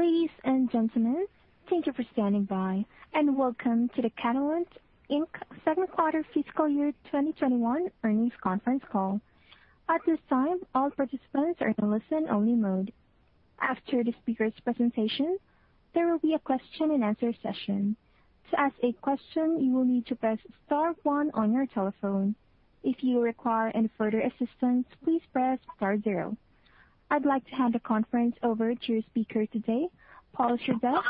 Ladies and gentlemen, thank you for standing by, and welcome to the Catalent, Inc. Second Quarter Fiscal Year 2021 Earnings Conference Call. At this time, all participants are in a listen-only mode. After the speakers' presentation, there will be a question and answer session. To ask a question, you will need to press star one on your telephone. If you require any further assistance, please press star zero. I'd like to hand the conference over to your speaker today, Paul Surdez,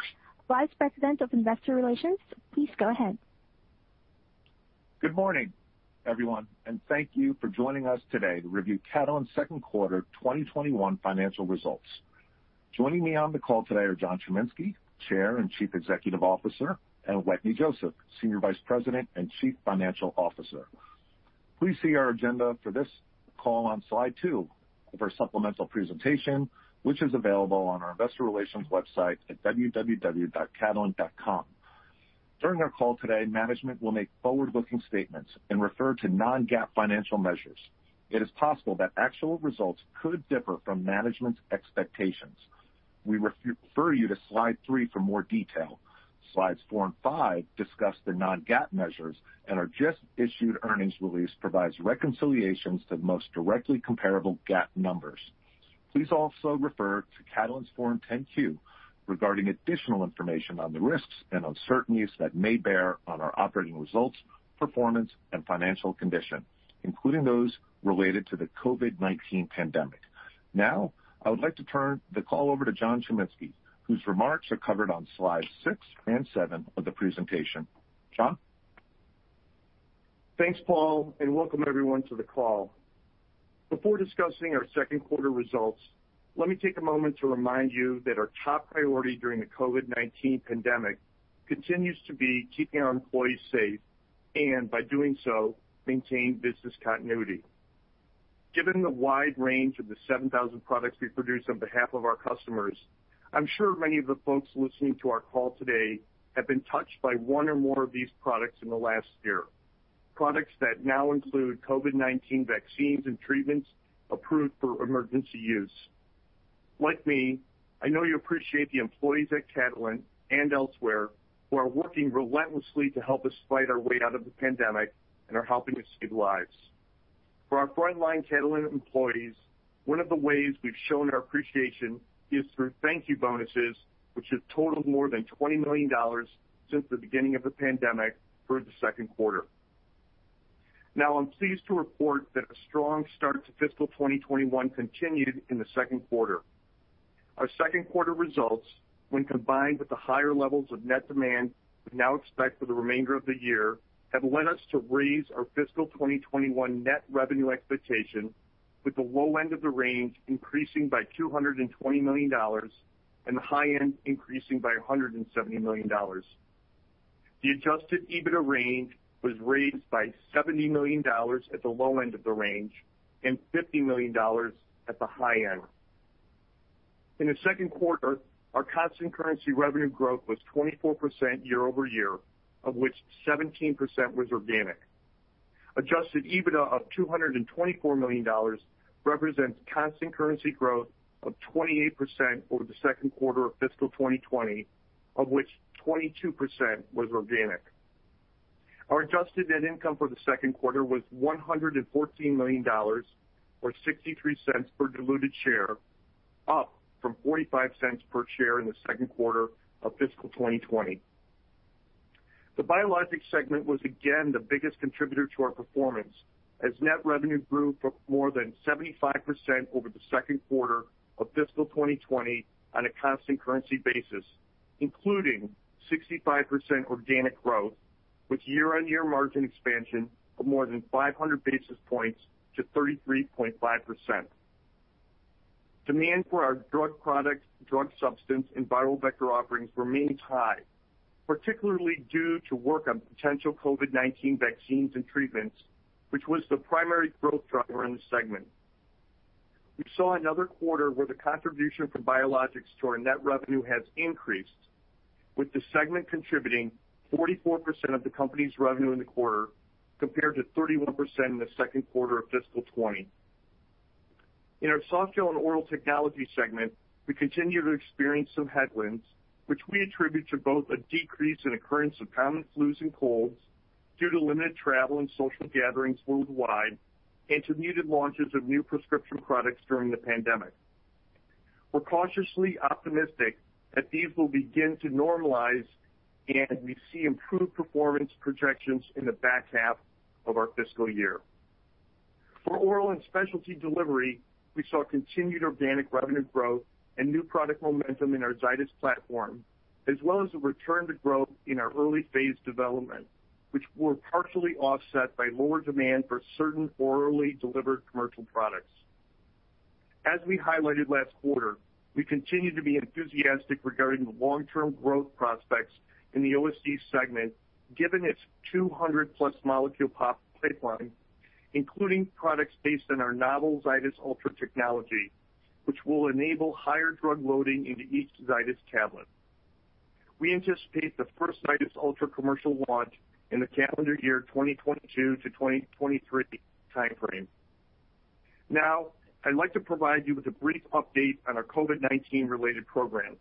Vice President of Investor Relations. Please go ahead. Good morning, everyone, and thank you for joining us today to review Catalent's second quarter 2021 financial results. Joining me on the call today are John Chiminski, Chair and Chief Executive Officer, and Wetteny Joseph, Senior Vice President and Chief Financial Officer. Please see our agenda for this call on slide two of our supplemental presentation, which is available on our investor relations website at www.catalent.com. During our call today, management will make forward-looking statements and refer to non-GAAP financial measures. It is possible that actual results could differ from management's expectations. We refer you to slide three for more detail. Slides four and five discuss the non-GAAP measures, and our just-issued earnings release provides reconciliations to the most directly comparable GAAP numbers. Please also refer to Catalent's Form 10-Q regarding additional information on the risks and uncertainties that may bear on our operating results, performance, and financial condition, including those related to the COVID-19 pandemic. Now, I would like to turn the call over to John Chiminski, whose remarks are covered on slides six and seven of the presentation. John? Thanks, Paul. Welcome everyone to the call. Before discussing our second quarter results, let me take a moment to remind you that our top priority during the COVID-19 pandemic continues to be keeping our employees safe, and by doing so, maintain business continuity. Given the wide range of the 7,000 products we produce on behalf of our customers, I'm sure many of the folks listening to our call today have been touched by one or more of these products in the last year. Products that now include COVID-19 vaccines and treatments approved for emergency use. Like me, I know you appreciate the employees at Catalent and elsewhere who are working relentlessly to help us fight our way out of the pandemic and are helping to save lives. For our frontline Catalent employees, one of the ways we've shown our appreciation is through thank you bonuses, which have totaled more than $20 million since the beginning of the pandemic through the second quarter. I'm pleased to report that a strong start to fiscal 2021 continued in the second quarter. Our second quarter results, when combined with the higher levels of net demand we now expect for the remainder of the year, have led us to raise our fiscal 2021 net revenue expectation with the low end of the range increasing by $220 million, and the high end increasing by $170 million. The adjusted EBITDA range was raised by $70 million at the low end of the range and $50 million at the high end. In the second quarter, our constant currency revenue growth was 24% year-over-year, of which 17% was organic. Adjusted EBITDA of $224 million represents constant currency growth of 28% over the second quarter of fiscal 2020, of which 22% was organic. Our adjusted net income for the second quarter was $114 million, or $0.63 per diluted share, up from $0.45 per share in the second quarter of fiscal 2020. The Biologics segment was again the biggest contributor to our performance as net revenue grew more than 75% over the second quarter of fiscal 2020 on a constant currency basis, including 65% organic growth with year-on-year margin expansion of more than 500 basis points to 33.5%. Demand for our drug product, drug substance, and viral vector offerings remains high, particularly due to work on potential COVID-19 vaccines and treatments, which was the primary growth driver in the segment. We saw another quarter where the contribution from Biologics to our net revenue has increased, with the segment contributing 44% of the company's revenue in the quarter compared to 31% in the second quarter of fiscal 2020. In our Softgel and Oral Technologies segment, we continue to experience some headwinds, which we attribute to both a decrease in occurrence of common flus and colds due to limited travel and social gatherings worldwide and to muted launches of new prescription products during the pandemic. We're cautiously optimistic that these will begin to normalize, and we see improved performance projections in the back half of our fiscal year. For Oral and Specialty Delivery, we saw continued organic revenue growth and new product momentum in our Zydis platform, as well as a return to growth in our early-phase development, which were partially offset by lower demand for certain orally delivered commercial products. As we highlighted last quarter, we continue to be enthusiastic regarding the long-term growth prospects in the OSD Segment given its 200-plus molecule pipeline, including products based on our novel Zydis Ultra technology, which will enable higher drug loading into each Zydis tablet. We anticipate the first Zydis Ultra commercial launch in the calendar year 2022 to 2023 timeframe. I'd like to provide you with a brief update on our COVID-19 related programs.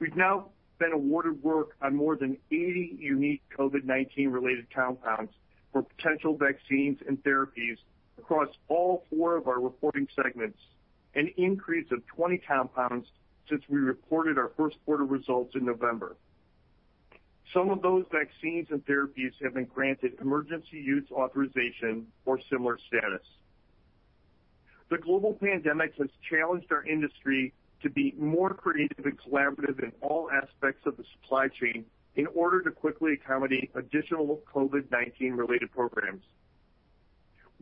We've now been awarded work on more than 80 unique COVID-19 related compounds for potential vaccines and therapies across all four of our reporting segments, an increase of 20 compounds since we reported our first quarter results in November. Some of those vaccines and therapies have been granted Emergency Use Authorization or similar status. The global pandemic has challenged our industry to be more creative and collaborative in all aspects of the supply chain in order to quickly accommodate additional COVID-19 related programs.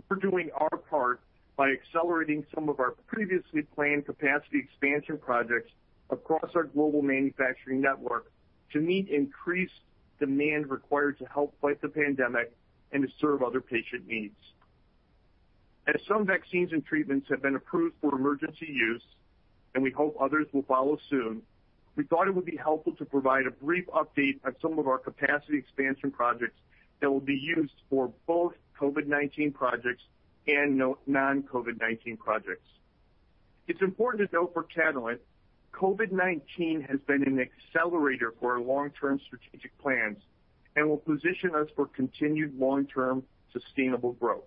We're doing our part by accelerating some of our previously planned capacity expansion projects across our global manufacturing network to meet increased demand required to help fight the pandemic and to serve other patient needs. As some vaccines and treatments have been approved for emergency use, and we hope others will follow soon, we thought it would be helpful to provide a brief update on some of our capacity expansion projects that will be used for both COVID-19 projects and non-COVID-19 projects. It's important to note for Catalent, COVID-19 has been an accelerator for our long-term strategic plans and will position us for continued long-term sustainable growth.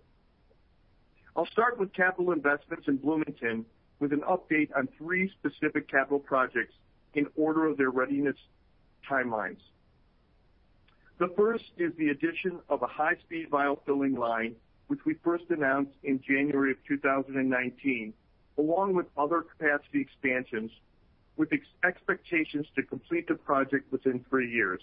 I'll start with capital investments in Bloomington with an update on three specific capital projects in order of their readiness timelines. The first is the addition of a high-speed vial filling line, which we first announced in January 2019, along with other capacity expansions, with expectations to complete the project within three years.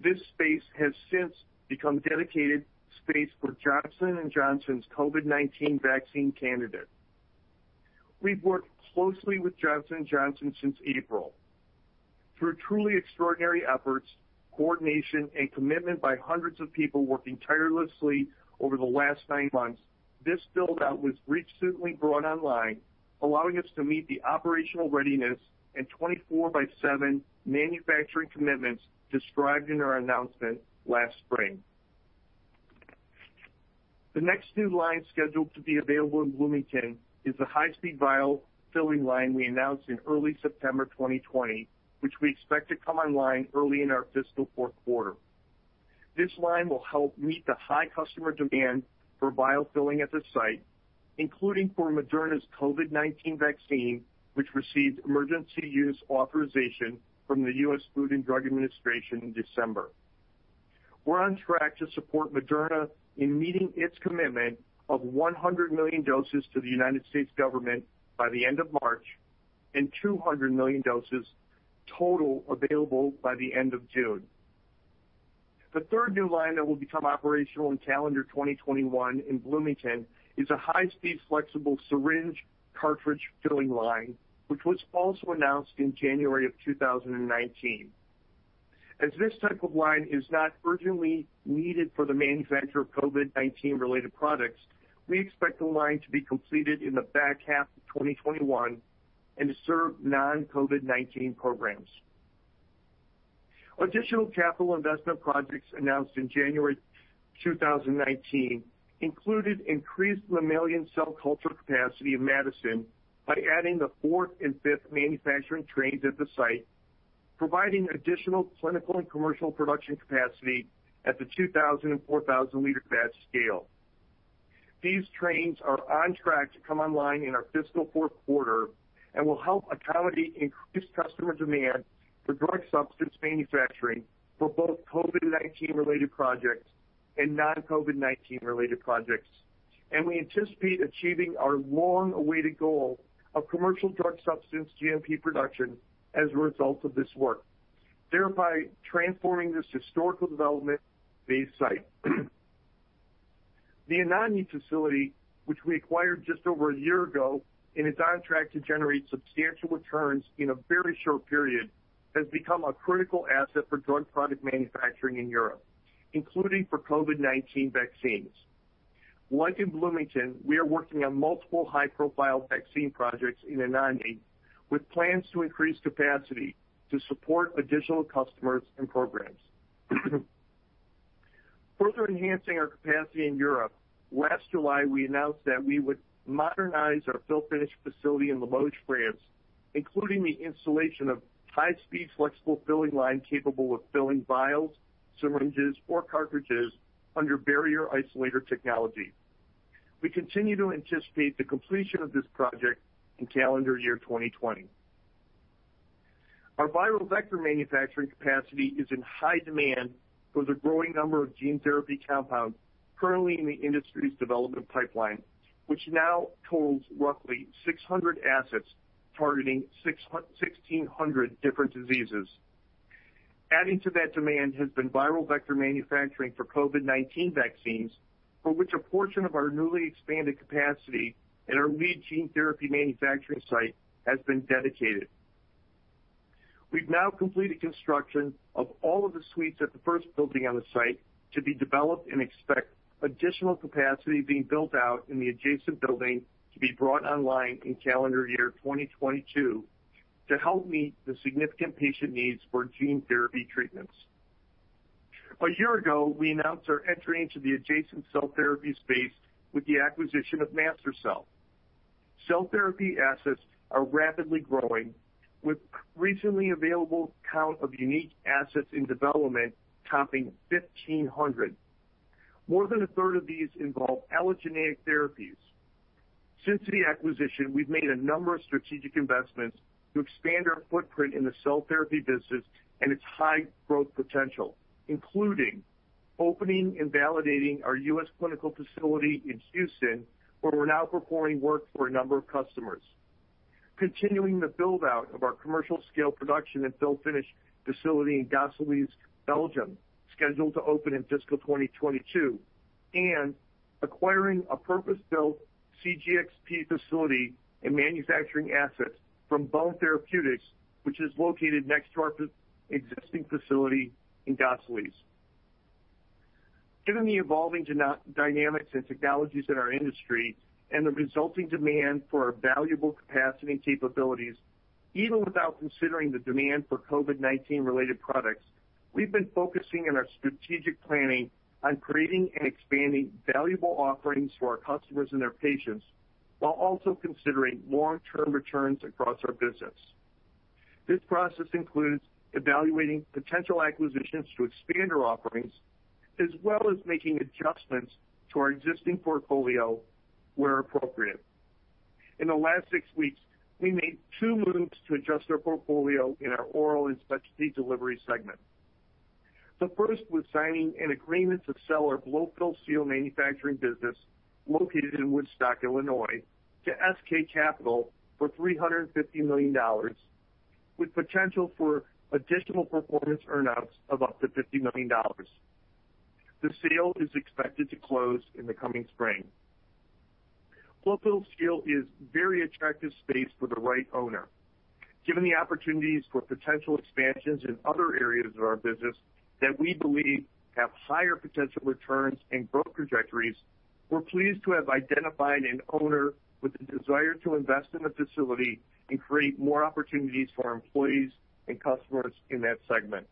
This space has since become dedicated space for Johnson & Johnson's COVID-19 vaccine candidate. We've worked closely with Johnson & Johnson since April. Through truly extraordinary efforts, coordination, and commitment by hundreds of people working tirelessly over the last nine months, this build-out was recently brought online, allowing us to meet the operational readiness and 24/7 manufacturing commitments described in our announcement last spring. The next new line scheduled to be available in Bloomington is the high-speed vial filling line we announced in early September 2020, which we expect to come online early in our fiscal fourth quarter. This line will help meet the high customer demand for vial filling at the site, including for Moderna's COVID-19 vaccine, which received emergency use authorization from the U.S. Food and Drug Administration in December. We're on track to support Moderna in meeting its commitment of 100 million doses to the U.S. government by the end of March and 200 million doses total available by the end of June. The third new line that will become operational in calendar 2021 in Bloomington is a high-speed, flexible syringe cartridge filling line, which was also announced in January of 2019. As this type of line is not urgently needed for the manufacture of COVID-19 related products, we expect the line to be completed in the back half of 2021 and to serve non-COVID-19 programs. Additional capital investment projects announced in January 2019 included increased mammalian cell culture capacity in Madison by adding the fourth and fifth manufacturing trains at the site, providing additional clinical and commercial production capacity at the 2,000 and 4,000 liter batch scale. These trains are on track to come online in our fiscal fourth quarter and will help accommodate increased customer demand for drug substance manufacturing for both COVID-19 related projects and non-COVID-19 related projects. We anticipate achieving our long-awaited goal of commercial drug substance GMP production as a result of this work, thereby transforming this historical development base site. The Anagni facility, which we acquired just over a year ago and is on track to generate substantial returns in a very short period, has become a critical asset for drug product manufacturing in Europe, including for COVID-19 vaccines. Like in Bloomington, we are working on multiple high-profile vaccine projects in Anagni with plans to increase capacity to support additional customers and programs. Further enhancing our capacity in Europe, last July, we announced that we would modernize our fill finish facility in Limoges, France, including the installation of high-speed, flexible filling line capable of filling vials, syringes, or cartridges under barrier isolator technology. We continue to anticipate the completion of this project in calendar year 2020. Our viral vector manufacturing capacity is in high demand for the growing number of gene therapy compounds currently in the industry's development pipeline, which now totals roughly 600 assets targeting 1,600 different diseases. Adding to that demand has been viral vector manufacturing for COVID-19 vaccines, for which a portion of our newly expanded capacity at our lead gene therapy manufacturing site has been dedicated. We've now completed construction of all of the suites at the first building on the site to be developed and expect additional capacity being built out in the adjacent building to be brought online in calendar year 2022 to help meet the significant patient needs for gene therapy treatments. A year ago, we announced our entry into the adjacent cell therapy space with the acquisition of MaSTherCell. Cell therapy assets are rapidly growing, with recently available count of unique assets in development topping 1,500. More than a third of these involve allogeneic therapies. Since the acquisition, we've made a number of strategic investments to expand our footprint in the cell therapy business and its high growth potential, including opening and validating our U.S. clinical facility in Houston, where we're now performing work for a number of customers. Continuing the build-out of our commercial-scale production and fill-finish facility in Gosselies, Belgium, scheduled to open in fiscal 2022, and acquiring a purpose-built cGXP facility and manufacturing assets from Bone Therapeutics, which is located next to our existing facility in Gosselies. Given the evolving dynamics and technologies in our industry and the resulting demand for our valuable capacity and capabilities, even without considering the demand for COVID-19-related products, we've been focusing in our strategic planning on creating and expanding valuable offerings for our customers and their patients, while also considering long-term returns across our business. This process includes evaluating potential acquisitions to expand our offerings, as well as making adjustments to our existing portfolio where appropriate. In the last six weeks, we made two moves to adjust our portfolio in our Oral and Specialty Delivery segment. The first was signing an agreement to sell our blow-fill-seal manufacturing business located in Woodstock, Illinois, to SK Capital for $350 million, with potential for additional performance earn-outs of up to $50 million. The sale is expected to close in the coming spring. Blow-fill-seal is very attractive space for the right owner. Given the opportunities for potential expansions in other areas of our business that we believe have higher potential returns and growth trajectories, we're pleased to have identified an owner with the desire to invest in the facility and create more opportunities for our employees and customers in that segment.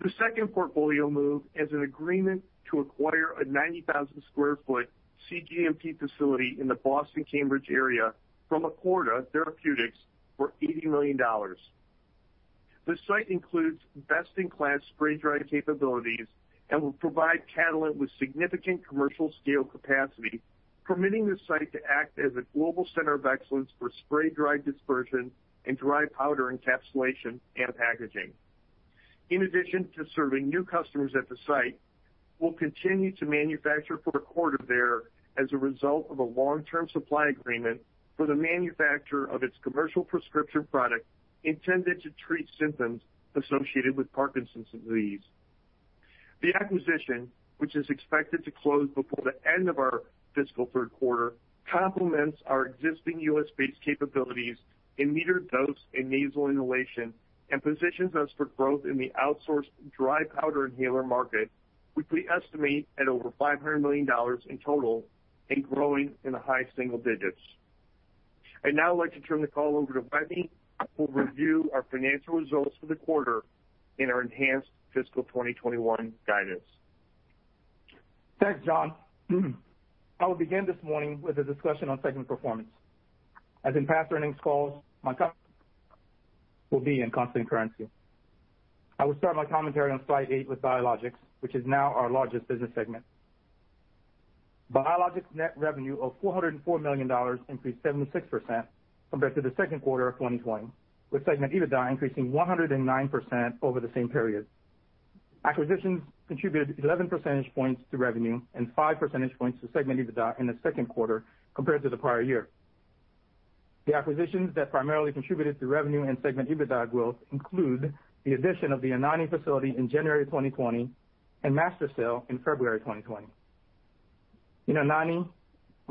The second portfolio move is an agreement to acquire a 90,000 sq ft cGMP facility in the Boston-Cambridge area from Acorda Therapeutics for $80 million. The site includes best-in-class spray dry capabilities and will provide Catalent with significant commercial scale capacity, permitting the site to act as a global center of excellence for spray-dried dispersion and dry powder encapsulation and packaging. In addition to serving new customers at the site, we'll continue to manufacture for Acorda there as a result of a long-term supply agreement for the manufacture of its commercial prescription product intended to treat symptoms associated with Parkinson's disease. The acquisition, which is expected to close before the end of our fiscal third quarter, complements our existing U.S.-based capabilities in metered dose and nasal inhalation and positions us for growth in the outsourced dry powder inhaler market, which we estimate at over $500 million in total and growing in the high single digits. I'd now like to turn the call over to Wetteny, who will review our financial results for the quarter and our enhanced fiscal 2021 guidance. Thanks, John. I will begin this morning with a discussion on segment performance. As in past earnings calls, my comments will be in constant currency. I will start my commentary on slide eight with Biologics, which is now our largest business segment. Biologics net revenue of $404 million increased 76% compared to the second quarter of 2020, with segment EBITDA increasing 109% over the same period. Acquisitions contributed 11 percentage points to revenue and five percentage points to segment EBITDA in the second quarter compared to the prior year. The acquisitions that primarily contributed to revenue and segment EBITDA growth include the addition of the Anagni facility in January 2020 and MaSTherCell in February 2020. In Anagni,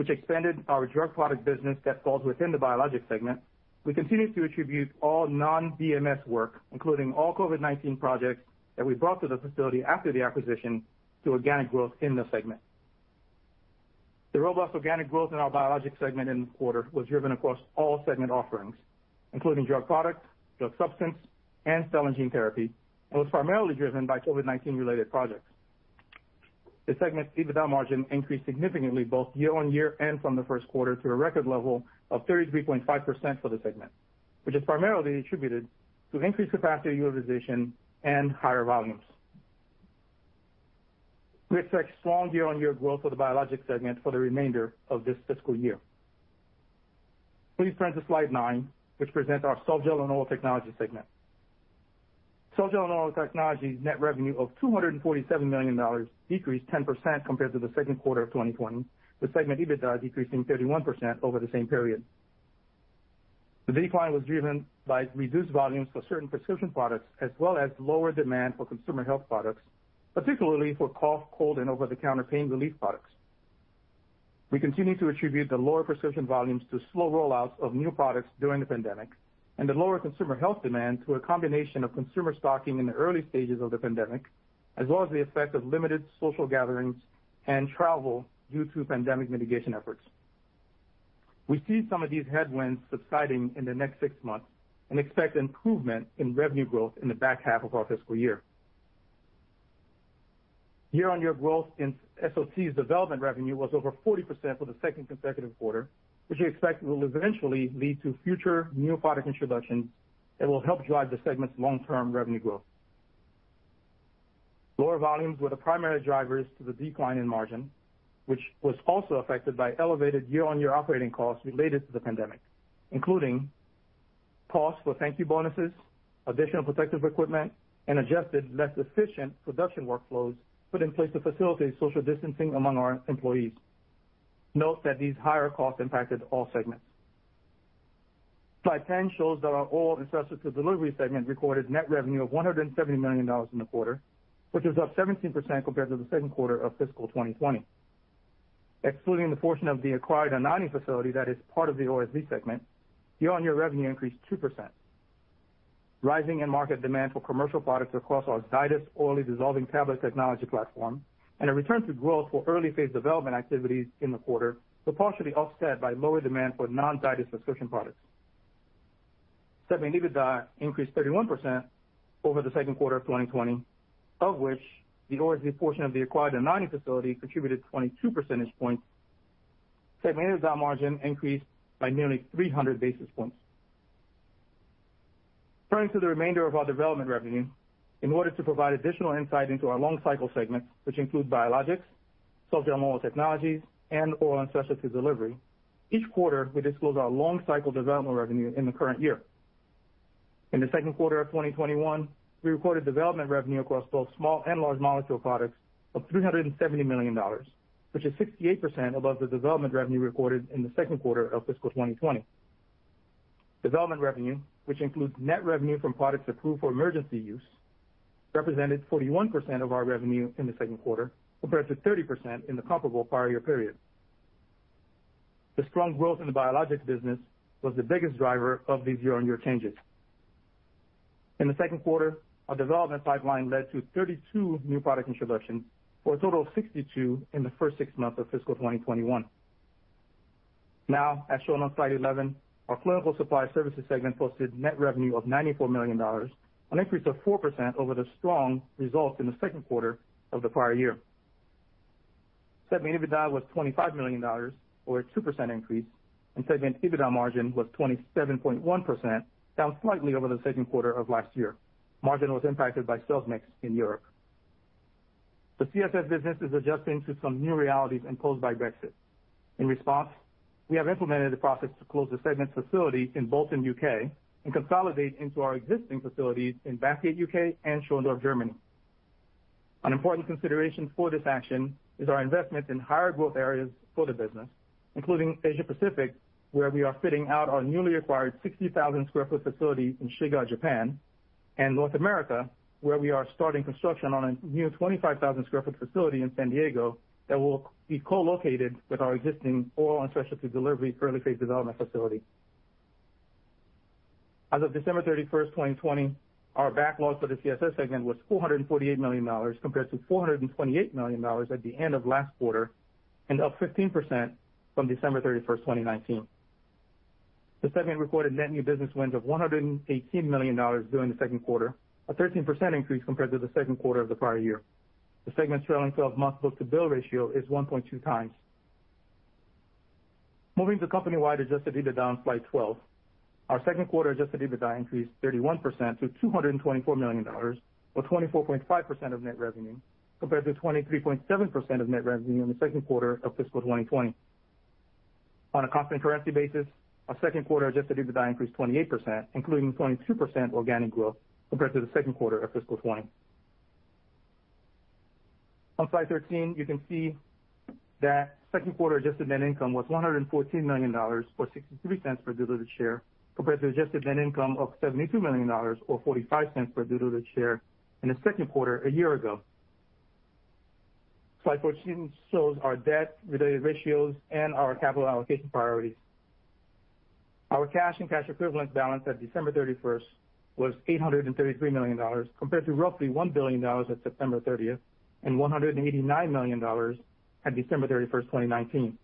which expanded our drug product business that falls within the Biologics segment, we continue to attribute all non-BMS work, including all COVID-19 projects that we brought to the facility after the acquisition, to organic growth in the segment. The robust organic growth in our Biologics segment in the quarter was driven across all segment offerings, including drug product, drug substance, and cell and gene therapy, and was primarily driven by COVID-19-related projects. The segment's EBITDA margin increased significantly both year-on-year and from the first quarter to a record level of 33.5% for the segment, which is primarily attributed to increased capacity utilization and higher volumes. We expect strong year-on-year growth for the Biologics segment for the remainder of this fiscal year. Please turn to slide nine, which presents our Softgel and Oral Technologies segment. Softgel and Oral Technologies net revenue of $247 million decreased 10% compared to the second quarter of 2020, with segment EBITDA decreasing 31% over the same period. The decline was driven by reduced volumes for certain prescription products as well as lower demand for consumer health products, particularly for cough, cold, and over-the-counter pain relief products. We continue to attribute the lower prescription volumes to slow rollouts of new products during the pandemic and the lower consumer health demand to a combination of consumer stocking in the early stages of the pandemic, as well as the effect of limited social gatherings and travel due to pandemic mitigation efforts. We see some of these headwinds subsiding in the next six months and expect improvement in revenue growth in the back half of our fiscal year. Year-on-year growth in SOT development revenue was over 40% for the second consecutive quarter, which we expect will eventually lead to future new product introductions that will help drive the segment's long-term revenue growth. Lower volumes were the primary drivers to the decline in margin, which was also affected by elevated year-on-year operating costs related to the pandemic, including costs for thank you bonuses, additional protective equipment, and adjusted less efficient production workflows put in place to facilitate social distancing among our employees. Note that these higher costs impacted all segments. Slide 10 shows that our Oral and Specialty Delivery segment recorded net revenue of $170 million in the quarter, which is up 17% compared to the second quarter of fiscal 2020. Excluding the portion of the acquired Anagni facility that is part of the OSD segment, year-on-year revenue increased 2%. Rising end market demand for commercial products across our Zydis, orally dissolving tablet technology platform, and a return to growth for early-phase development activities in the quarter were partially offset by lower demand for non-Zydis subscription products. Segment EBITDA increased 31% over the second quarter of 2020, of which the OSD portion of the acquired Anagni facility contributed 22 percentage points. Segment EBITDA margin increased by nearly 300 basis points. Turning to the remainder of our development revenue, in order to provide additional insight into our long cycle segments, which include Biologics, cell and gene technologies, and Oral and Specialty Delivery, each quarter, we disclose our long cycle development revenue in the current year. In the second quarter of 2021, we recorded development revenue across both small and large molecule products of $370 million, which is 68% above the development revenue recorded in the second quarter of fiscal 2020. Development revenue, which includes net revenue from products approved for emergency use, represented 41% of our revenue in the second quarter, compared to 30% in the comparable prior year period. The strong growth in the Biologics business was the biggest driver of these year-on-year changes. In the second quarter, our development pipeline led to 32 new product introductions for a total of 62 in the first six months of fiscal 2021. Now, as shown on slide 11, our Clinical Supply Services segment posted net revenue of $94 million, an increase of 4% over the strong results in the second quarter of the prior year. Segment EBITDA was $25 million, or a 2% increase, and segment EBITDA margin was 27.1%, down slightly over the second quarter of last year. Margin was impacted by sales mix in Europe. The CSS business is adjusting to some new realities imposed by Brexit. In response, we have implemented a process to close the segment facility in Bolton, U.K., and consolidate into our existing facilities in Bathgate, U.K., and Schorndorf, Germany. An important consideration for this action is our investment in higher growth areas for the business, including Asia Pacific, where we are fitting out our newly acquired 60,000 sq ft facility in Shiga, Japan, and North America, where we are starting construction on a new 25,000 sq ft facility in San Diego that will be co-located with our existing Oral and Specialty Delivery early phase development facility. As of December 31st, 2020, our backlog for the CSS segment was $448 million, compared to $428 million at the end of last quarter, and up 15% from December 31st, 2019. The segment recorded net new business wins of $118 million during the second quarter, a 13% increase compared to the second quarter of the prior year. The segment's trailing 12-month book to bill ratio is 1.2x. Moving to company-wide adjusted EBITDA on slide 12. Our second quarter adjusted EBITDA increased 31% to $224 million, or 24.5% of net revenue, compared to 23.7% of net revenue in the second quarter of fiscal 2020. On a constant currency basis, our second quarter adjusted EBITDA increased 28%, including 22% organic growth, compared to the second quarter of fiscal 2020. On slide 13, you can see that second quarter adjusted net income was $114 million, or $0.63 per diluted share, compared to adjusted net income of $72 million, or $0.45 per diluted share in the second quarter a year ago. Slide 14 shows our debt, related ratios, and our capital allocation priorities. Our cash and cash equivalent balance at December 31st was $833 million, compared to roughly $1 billion at September 30th, and $189 million at December 31st, 2019.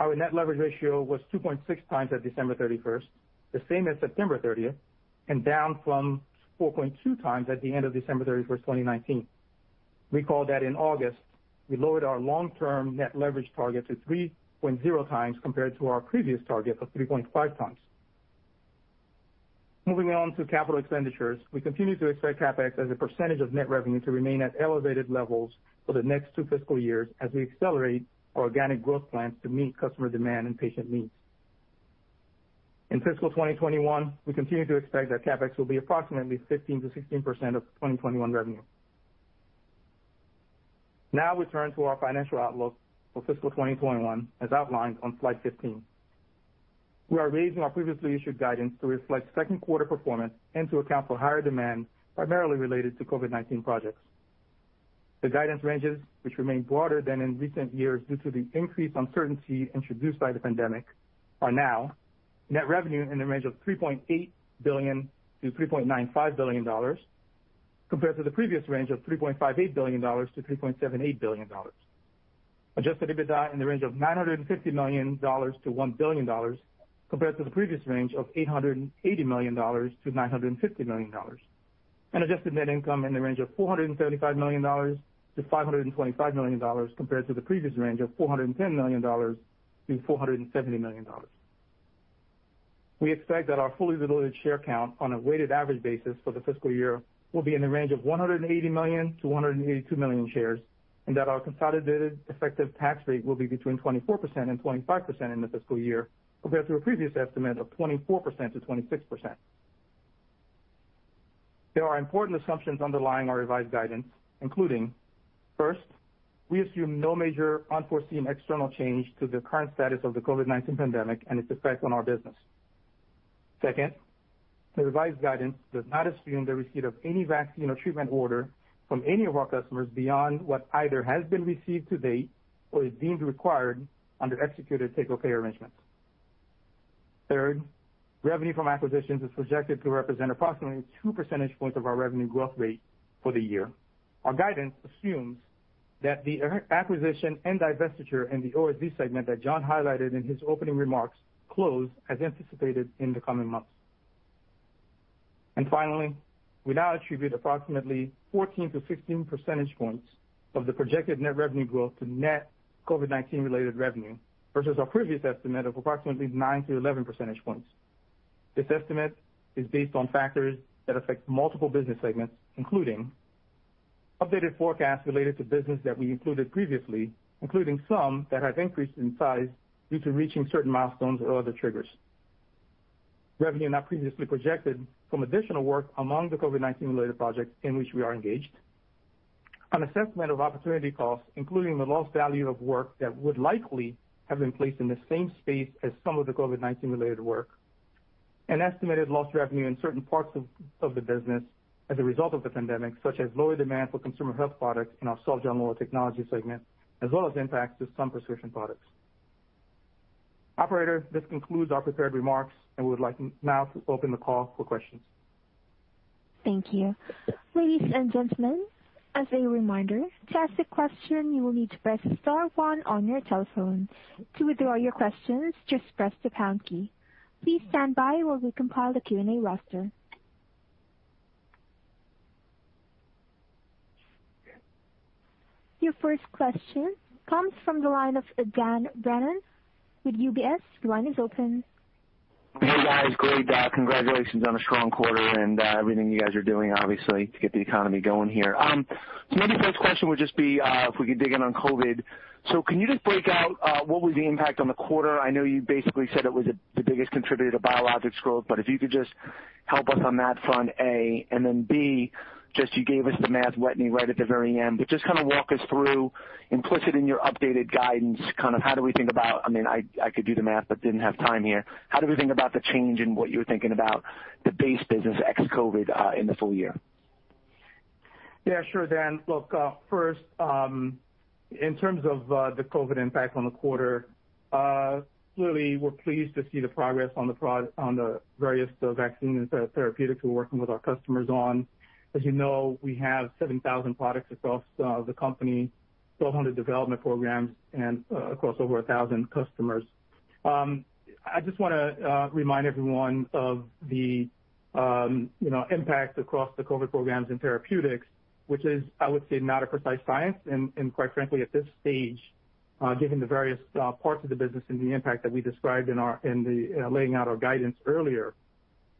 Our net leverage ratio was 2.6x at December 31st, the same as September 30th, and down from 4.2x at the end of December 31st, 2019. Recall that in August, we lowered our long-term net leverage target to 3.0x compared to our previous target of 3.5x. Moving on to capital expenditures, we continue to expect CapEx as a percentage of net revenue to remain at elevated levels for the next two fiscal years as we accelerate our organic growth plans to meet customer demand and patient needs. In fiscal 2021, we continue to expect that CapEx will be approximately 15%-16% of 2021 revenue. We turn to our financial outlook for fiscal 2021, as outlined on slide 15. We are raising our previously issued guidance to reflect second quarter performance and to account for higher demand, primarily related to COVID-19 projects. The guidance ranges, which remain broader than in recent years due to the increased uncertainty introduced by the pandemic, are now net revenue in the range of $3.8 billion to $3.95 billion. Compared to the previous range of $3.58 billion to $3.78 billion. Adjusted EBITDA in the range of $950 million to $1 billion, compared to the previous range of $880 million to $950 million. Adjusted net income in the range of $475 million to $525 million, compared to the previous range of $410 million to $470 million. We expect that our fully diluted share count on a weighted average basis for the fiscal year will be in the range of 180 million to 182 million shares, and that our consolidated effective tax rate will be between 24% and 25% in the fiscal year, compared to a previous estimate of 24%-26%. There are important assumptions underlying our revised guidance, including, first, we assume no major unforeseen external change to the current status of the COVID-19 pandemic and its effects on our business. Second, the revised guidance does not assume the receipt of any vaccine or treatment order from any of our customers beyond what either has been received to date or is deemed required under executed take-or-pay arrangements. Third, revenue from acquisitions is projected to represent approximately two percentage points of our revenue growth rate for the year. Our guidance assumes that the acquisition and divestiture in the OSD segment that John highlighted in his opening remarks close as anticipated in the coming months. Finally, we now attribute approximately 14-16 percentage points of the projected net revenue growth to net COVID-19 related revenue versus our previous estimate of approximately 9-11 percentage points. This estimate is based on factors that affect multiple business segments, including updated forecasts related to business that we included previously, including some that have increased in size due to reaching certain milestones or other triggers. Revenue not previously projected from additional work among the COVID-19 related projects in which we are engaged. An assessment of opportunity costs, including the lost value of work that would likely have been placed in the same space as some of the COVID-19 related work, an estimated lost revenue in certain parts of the business as a result of the pandemic, such as lower demand for consumer health products in our cell, gene and molecular technology segment, as well as impacts to some prescription products. Operator, this concludes our prepared remarks, and we would like now to open the call for questions. Thank you. Ladies and gentlemen, as a reminder, to ask a question, you will need to press star one on your telephone. To withdraw your questions, just press the pound key. Please stand by while we compile the Q&A roster. Your first question comes from the line of Dan Brennan with UBS. Your line is open. Hey, guys. Great. Congratulations on a strong quarter and everything you guys are doing, obviously, to get the economy going here. Maybe first question would just be, if we could dig in on COVID-19. Can you just break out what was the impact on the quarter? I know you basically said it was the biggest contributor to Biologics growth, but if you could just help us on that front, A. B, just you gave us the math, Wetteny, right at the very end. Just kind of walk us through, implicit in your updated guidance, how do we think about the change in what you were thinking about the base business ex-COVID-19 in the full year? Yeah, sure, Dan. Look, first, in terms of the COVID impact on the quarter, clearly, we are pleased to see the progress on the various vaccine and therapeutics we are working with our customers on. As you know, we have 7,000 products across the company, 1,200 development programs and across over 1,000 customers. I just want to remind everyone of the impact across the COVID programs and therapeutics, which is, I would say, not a precise science, and quite frankly, at this stage, given the various parts of the business and the impact that we described in the laying out our guidance earlier,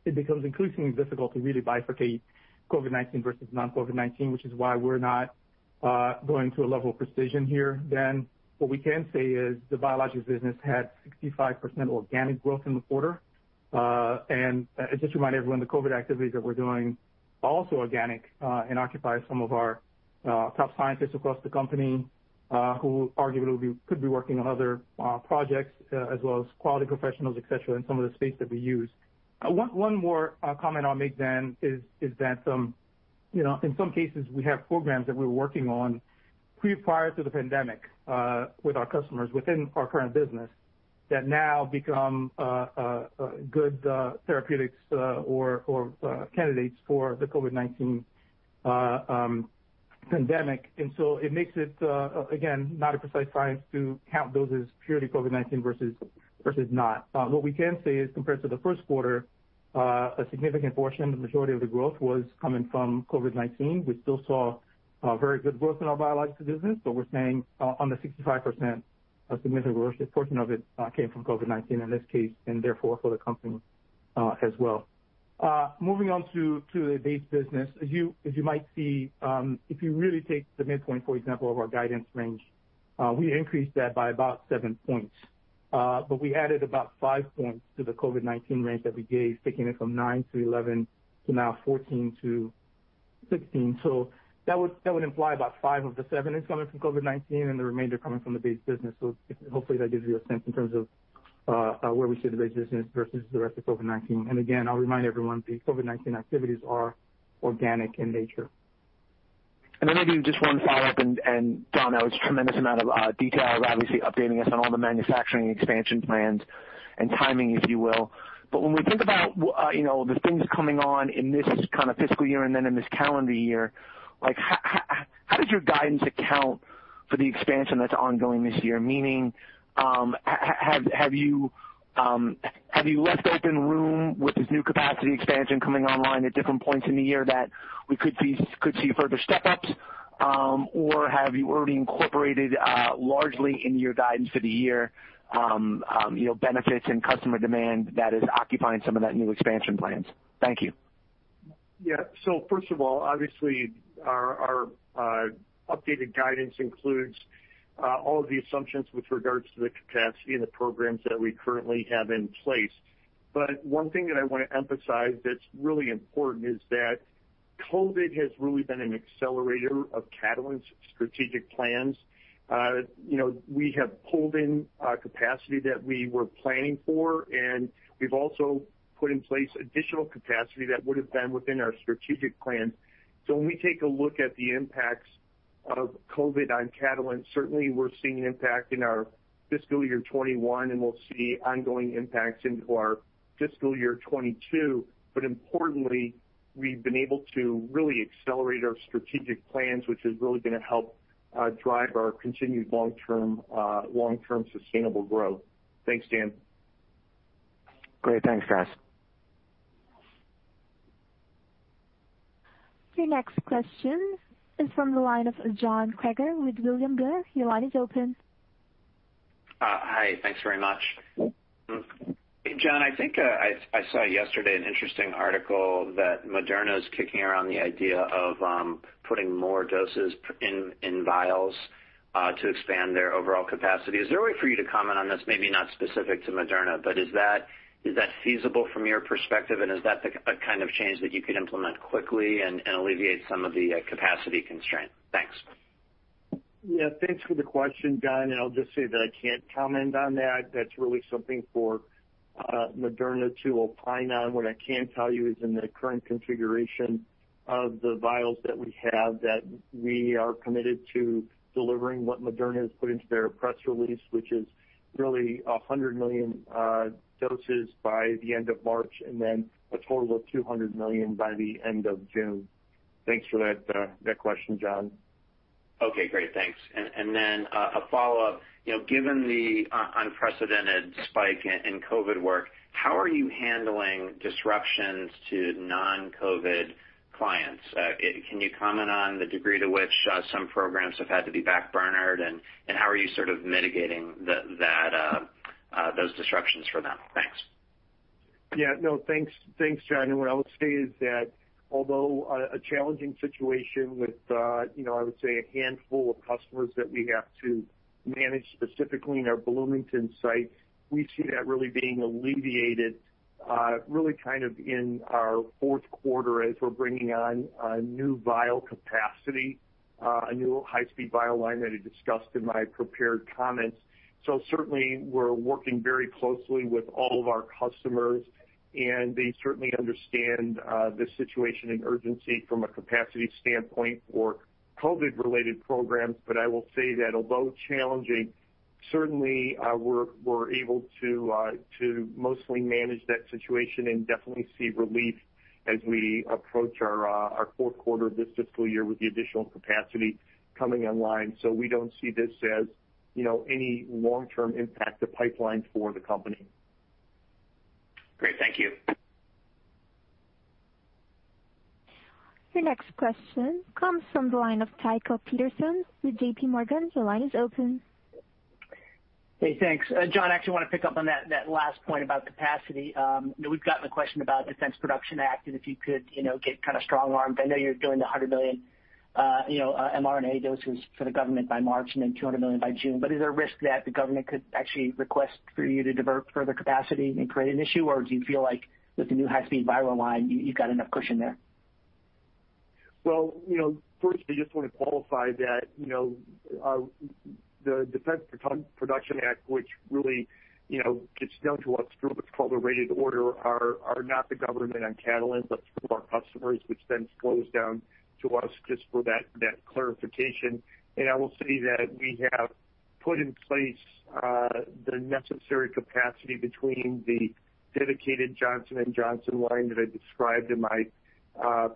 it becomes increasingly difficult to really bifurcate COVID-19 versus non-COVID-19, which is why we are not going to a level of precision here. Dan, what we can say is the Biologics business had 65% organic growth in the quarter. Just to remind everyone, the COVID-19 activities that we're doing, also organic, and occupies some of our top scientists across the company, who arguably could be working on other projects as well as quality professionals, et cetera, in some of the space that we use. One more comment I'll make, Dan, is that in some cases, we have programs that we were working on prior to the pandemic, with our customers within our current business that now become good therapeutics or candidates for the COVID-19 pandemic. It makes it, again, not a precise science to count those as purely COVID-19 versus not. What we can say is, compared to the first quarter, a significant portion, the majority of the growth was coming from COVID-19. We still saw very good growth in our Biologics business, but we're saying on the 65%, a significant portion of it came from COVID-19 in this case, and therefore for the company as well. Moving on to the base business. As you might see, if you really take the midpoint, for example, of our guidance range, we increased that by about seven points. We added about five points to the COVID-19 range that we gave, taking it from 9-11 to now 14-16. That would imply about five of the seven is coming from COVID-19 and the remainder coming from the base business. Hopefully that gives you a sense in terms of where we see the base business versus the rest of COVID-19. Again, I'll remind everyone, the COVID-19 activities are organic in nature. Maybe just one follow-up. John, I know it's a tremendous amount of detail, obviously updating us on all the manufacturing expansion plans and timing, if you will. When we think about the things coming on in this kind of fiscal year and then in this calendar year, how does your guidance account for the expansion that's ongoing this year? Meaning, have you left open room with this new capacity expansion coming online at different points in the year that we could see further step-ups? Or have you already incorporated largely in your guidance for the year benefits and customer demand that is occupying some of that new expansion plans? Thank you. First of all, obviously our updated guidance includes all of the assumptions with regards to the capacity and the programs that we currently have in place. One thing that I want to emphasize that's really important is that COVID has really been an accelerator of Catalent's strategic plans. We have pulled in capacity that we were planning for, and we've also put in place additional capacity that would've been within our strategic plans. When we take a look at the impacts of COVID on Catalent, certainly we're seeing impact in our fiscal year 2021, and we'll see ongoing impacts into our fiscal year 2022. Importantly, we've been able to really accelerate our strategic plans, which is really going to help drive our continued long-term sustainable growth. Thanks, Dan. Great. Thanks, guys. Your next question is from the line of John Kreger with William Blair. Your line is open. Hi. Thanks very much. John, I think I saw yesterday an interesting article that Moderna's kicking around the idea of putting more doses in vials to expand their overall capacity. Is there a way for you to comment on this, maybe not specific to Moderna, but is that feasible from your perspective, and is that the kind of change that you could implement quickly and alleviate some of the capacity constraint? Thanks. Yeah, thanks for the question, John, I'll just say that I can't comment on that. That's really something for Moderna to opine on. What I can tell you is in the current configuration of the vials that we have, that we are committed to delivering what Moderna has put into their press release, which is really 100 million doses by the end of March, and then a total of 200 million by the end of June. Thanks for that question, John. Okay, great. Thanks, and then a follow-up. Given the unprecedented spike in COVID work, how are you handling disruptions to non-COVID clients? Can you comment on the degree to which some programs have had to be backburnered, and how are you sort of mitigating those disruptions for them? Thanks. No, thanks, John. What I would say is that although a challenging situation with a handful of customers that we have to manage specifically in our Bloomington site, we see that being alleviated in our fourth quarter as we're bringing on a new vial capacity, a new high-speed vial line that I discussed in my prepared comments. Certainly, we're working very closely with all of our customers, and they certainly understand the situation and urgency from a capacity standpoint for COVID-related programs. I will say that although challenging, certainly we're able to mostly manage that situation and definitely see relief as we approach our fourth quarter of this fiscal year with the additional capacity coming online. We don't see this as any long-term impact to pipelines for the company. Great, thank you. Your next question comes from the line of Tycho Peterson with JPMorgan. Your line is open. Hey, thanks. John, I actually want to pick up on that last point about capacity. We've gotten a question about Defense Production Act and if you could get kind of strong-armed. I know you're doing the 100 million mRNA doses for the government by March and then 200 million by June. Is there a risk that the government could actually request for you to divert further capacity and create an issue? Do you feel like with the new high-speed viral line, you've got enough cushion there? Well, first I just want to qualify that the Defense Production Act, which really gets down to what's through what's called a rated order, are not the government on Catalent, but through our customers, which then flows down to us just for that clarification. I will say that we have put in place the necessary capacity between the dedicated Johnson & Johnson line that I described in my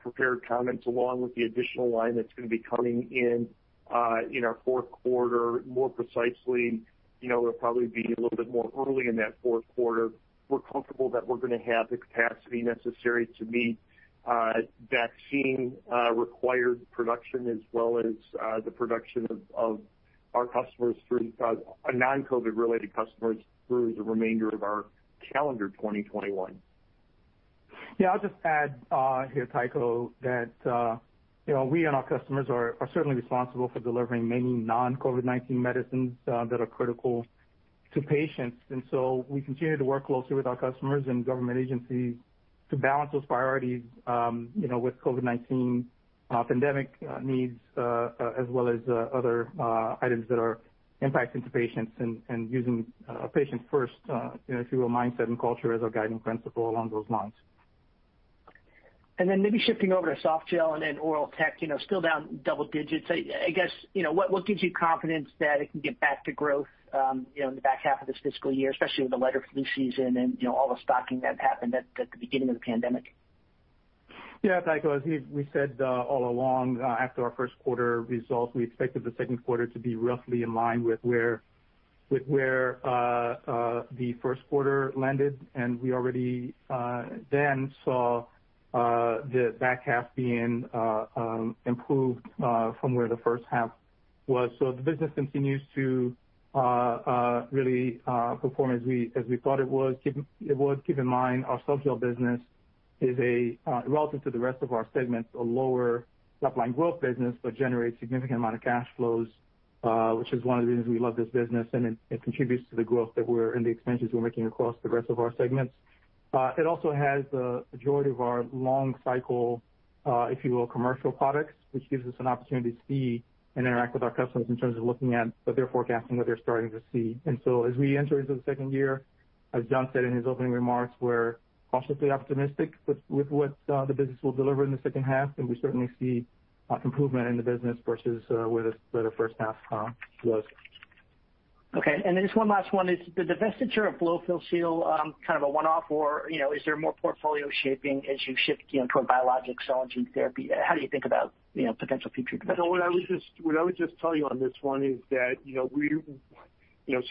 prepared comments, along with the additional line that's going to be coming in our fourth quarter, more precisely, it'll probably be a little bit more early in that fourth quarter. We're comfortable that we're going to have the capacity necessary to meet vaccine-required production as well as the production of our customers through non-COVID-related customers through the remainder of our calendar 2021. Yeah, I'll just add here, Tycho, that we and our customers are certainly responsible for delivering many non-COVID-19 medicines that are critical to patients. We continue to work closely with our customers and government agencies to balance those priorities with COVID-19 pandemic needs as well as other items that are impacting patients and using a patient-first mindset and culture as our guiding principle along those lines. Maybe shifting over to Softgel and Oral Tech, still down double-digits. I guess, what gives you confidence that it can get back to growth in the back half of this fiscal year, especially with the lighter flu season and all the stocking that happened at the beginning of the pandemic? Yeah, Tycho, as we said all along after our first quarter results, we expected the second quarter to be roughly in line with where the first quarter landed, and we already saw the back half being improved from where the first half was. The business continues to really perform as we thought it would. Keep in mind, our softgel business is, relative to the rest of our segments, a lower top-line growth business, but generates significant amount of cash flows, which is one of the reasons we love this business. It contributes to the growth and the expansions we're making across the rest of our segments. It also has the majority of our long cycle, if you will, commercial products, which gives us an opportunity to see and interact with our customers in terms of looking at what they're forecasting, what they're starting to see. As we enter into the second year, as John said in his opening remarks, we're cautiously optimistic with what the business will deliver in the second half, and we certainly see improvement in the business versus where the first half was. Okay. Just one last one. Is the divestiture of blow-fill-seal kind of a one-off, or is there more portfolio shaping as you shift toward biologics, cell, and gene therapy? How do you think about potential future divestitures? What I would just tell you on this one is that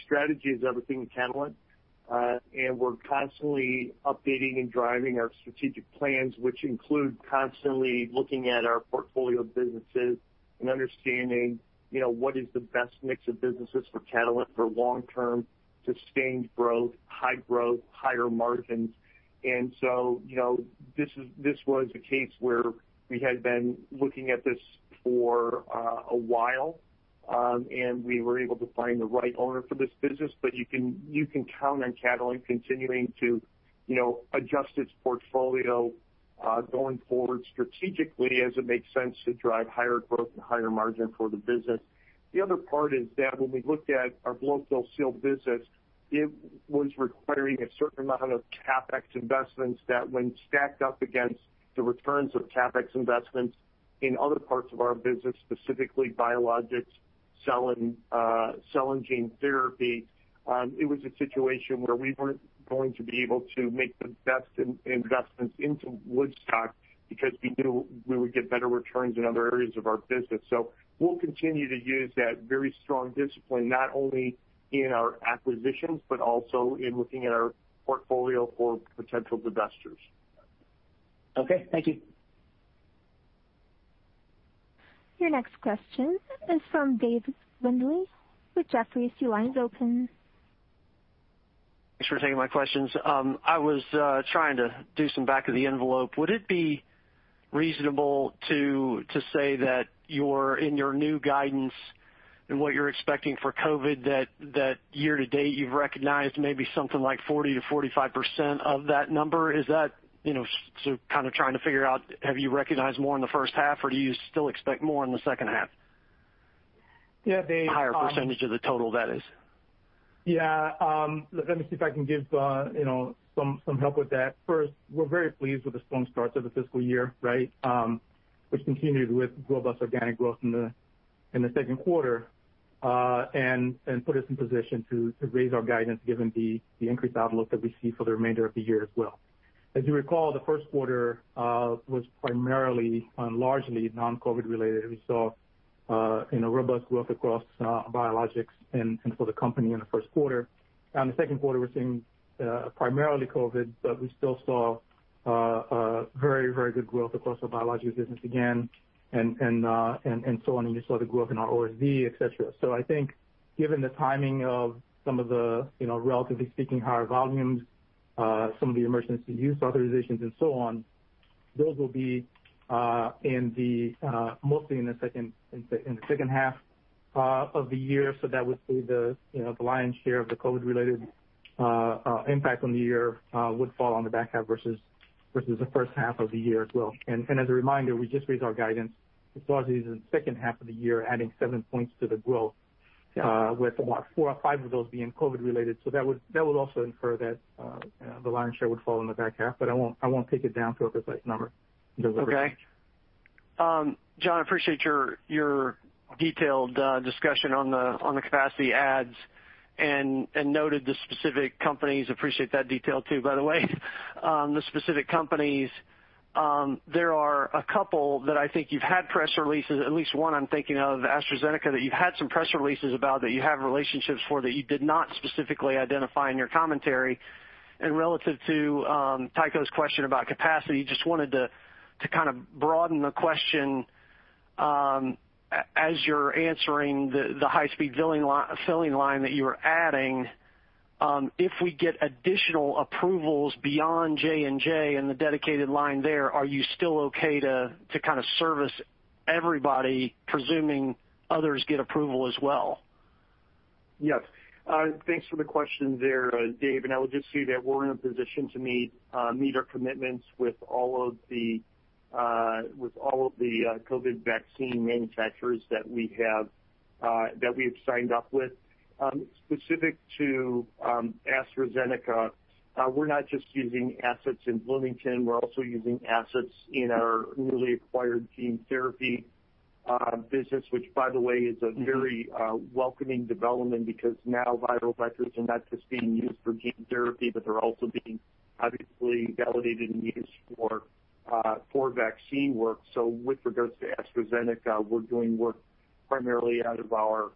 strategy is everything at Catalent. We're constantly updating and driving our strategic plans, which include constantly looking at our portfolio of businesses and understanding what is the best mix of businesses for Catalent for long-term sustained growth, high growth, higher margins. This was a case where we had been looking at this for a while, and we were able to find the right owner for this business. You can count on Catalent continuing to adjust its portfolio going forward strategically as it makes sense to drive higher growth and higher margin for the business. The other part is that when we looked at our blow-fill-seal business, it was requiring a certain amount of CapEx investments that when stacked up against the returns of CapEx investments in other parts of our business, specifically Biologics, cell and gene therapy, it was a situation where we weren't going to be able to make the best investments into Woodstock because we knew we would get better returns in other areas of our business. Okay. Thank you. Your next question is from Dave Windley with Jefferies. Thanks for taking my questions. I was trying to do some back of the envelope. Would it be reasonable to say that in your new guidance and what you're expecting for COVID-19, that year-to-date you've recognized maybe something like 40%-45% of that number? Kind of trying to figure out, have you recognized more in the first half, or do you still expect more in the second half? Yeah, Dave- A higher percentage of the total, that is. Yeah. Let me see if I can give some help with that. First, we're very pleased with the strong start of the fiscal year, right? Which continued with robust organic growth in the second quarter, and put us in position to raise our guidance given the increased outlook that we see for the remainder of the year as well. As you recall, the first quarter was primarily and largely non-COVID related. We saw robust growth across Biologics and for the company in the first quarter. In the second quarter, we're seeing primarily COVID, but we still saw very good growth across our Biologics business again, and so on. You saw the growth in our RSV, et cetera. I think given the timing of some of the, relatively speaking, higher volumes, some of the emergency use authorizations and so on, those will be mostly in the second half of the year. That would say the lion's share of the COVID-related impact on the year would fall on the back half versus the first half of the year as well. As a reminder, we just raised our guidance with regards to the second half of the year, adding seven points to the growth with about four or five of those being COVID related. That would also infer that the lion's share would fall in the back half, but I won't take it down to a precise number. Okay. John, appreciate your detailed discussion on the capacity adds and noted the specific companies. Appreciate that detail too, by the way, the specific companies. There are a couple that I think you've had press releases, at least one I'm thinking of, AstraZeneca, that you've had some press releases about that you have relationships for, that you did not specifically identify in your commentary. Relative to Tycho's question about capacity, just wanted to kind of broaden the question. As you're answering the high-speed filling line that you are adding, if we get additional approvals beyond J&J in the dedicated line there, are you still okay to kind of service everybody, presuming others get approval as well? Yes. Thanks for the question there, Dave. I would just say that we're in a position to meet our commitments with all of the COVID vaccine manufacturers that we have, that we've signed up with. Specific to AstraZeneca, we're not just using assets in Bloomington, we're also using assets in our newly acquired gene therapy business, which by the way is a very welcoming development because now viral vectors are not just being used for gene therapy, but they're also being obviously validated and used for vaccine work. With regards to AstraZeneca, we're doing work primarily out of our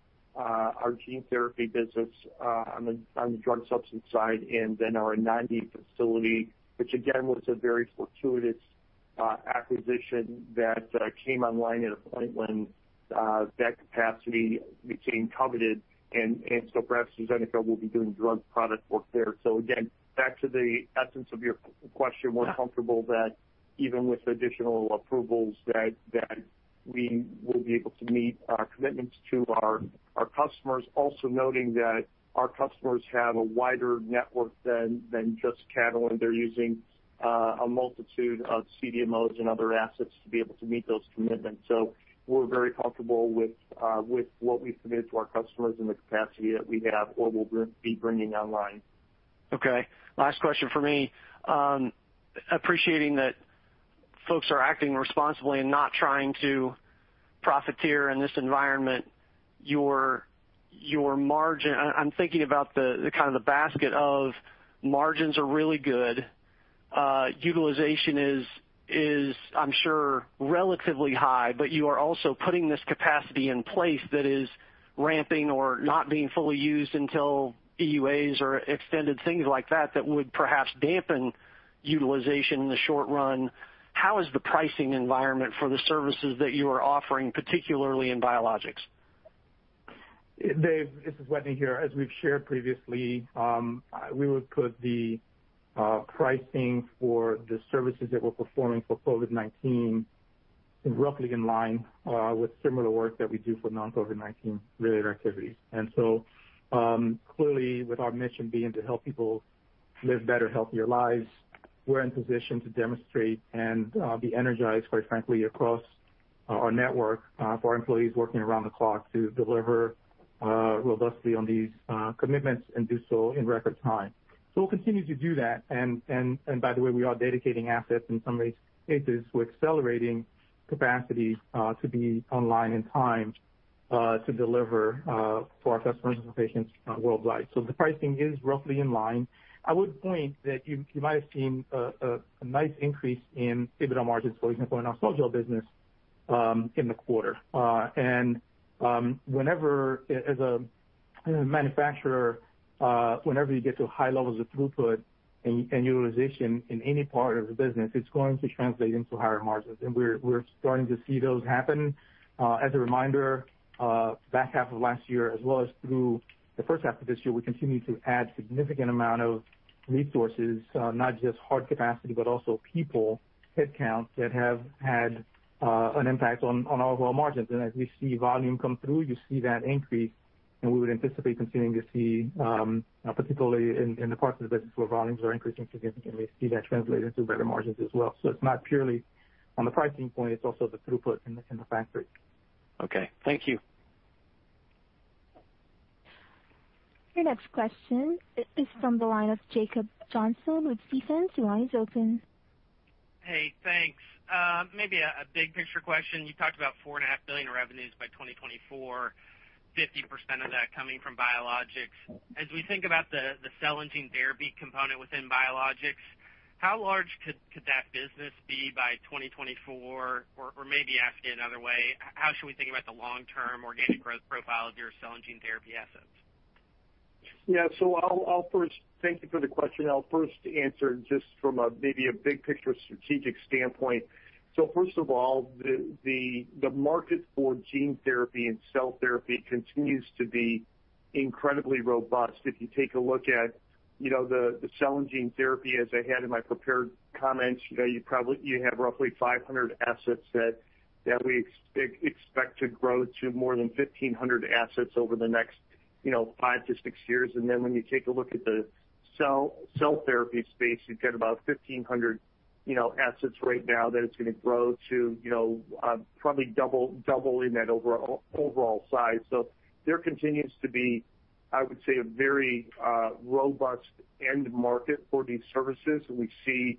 gene therapy business on the drug substance side, and then our Anagni facility, which again, was a very fortuitous acquisition that came online at a point when that capacity became coveted. Perhaps AstraZeneca will be doing drug product work there. Again, back to the essence of your question, we're comfortable that even with additional approvals that we will be able to meet our commitments to our customers. Noting that our customers have a wider network than just Catalent. They're using a multitude of CDMOs and other assets to be able to meet those commitments. We're very comfortable with what we've committed to our customers and the capacity that we have or will be bringing online. Okay, last question from me. Appreciating that folks are acting responsibly and not trying to profiteer in this environment. Your margin, I'm thinking about the kind of the basket of margins are really good. Utilization is, I'm sure, relatively high, but you are also putting this capacity in place that is ramping or not being fully used until EUAs or extended things like that would perhaps dampen utilization in the short run. How is the pricing environment for the services that you are offering, particularly in Biologics? Dave, this is Wetteny here. As we've shared previously, we would put the pricing for the services that we're performing for COVID-19 roughly in line with similar work that we do for non-COVID-19 related activities. Clearly with our mission being to help people live better, healthier lives, we're in position to demonstrate and be energized, quite frankly, across our network for our employees working around the clock to deliver robustly on these commitments and do so in record time. We'll continue to do that. By the way, we are dedicating assets in some cases. We're accelerating capacity to be online in time to deliver for our customers and patients worldwide. The pricing is roughly in line. I would point that you might have seen a nice increase in EBITDA margins, for example, in our Biologics business, in the quarter. As a manufacturer, whenever you get to high levels of throughput and utilization in any part of the business, it's going to translate into higher margins. We're starting to see those happen. As a reminder, back half of last year as well as through the first half of this year, we continued to add significant amount of resources, not just hard capacity, but also people, headcount that have had an impact on all of our margins. As we see volume come through, you see that increase. We would anticipate continuing to see, particularly in the parts of the business where volumes are increasing significantly, see that translate into better margins as well. It's not purely on the pricing point, it's also the throughput in the factory. Okay, thank you. Your next question is from the line of Jacob Johnson with Stephens. Your line is open. Hey, thanks. Maybe a big picture question. You talked about $4.5 billion revenues by 2024, 50% of that coming from Biologics. As we think about the cell and gene therapy component within Biologics, how large could that business be by 2024? Or maybe asked it another way, how should we think about the long-term organic growth profile of your cell and gene therapy assets? Yeah. Thank you for the question. I'll first answer just from a maybe a big picture strategic standpoint. First of all, the market for gene therapy and cell therapy continues to be incredibly robust. If you take a look at the cell and gene therapy, as I had in my prepared comments, you have roughly 500 assets that we expect to grow to more than 1,500 assets over the next five to six years. When you take a look at the cell therapy space, you've got about 1,500 assets right now that it's going to grow to probably double in that overall size. There continues to be, I would say, a very robust end market for these services. We see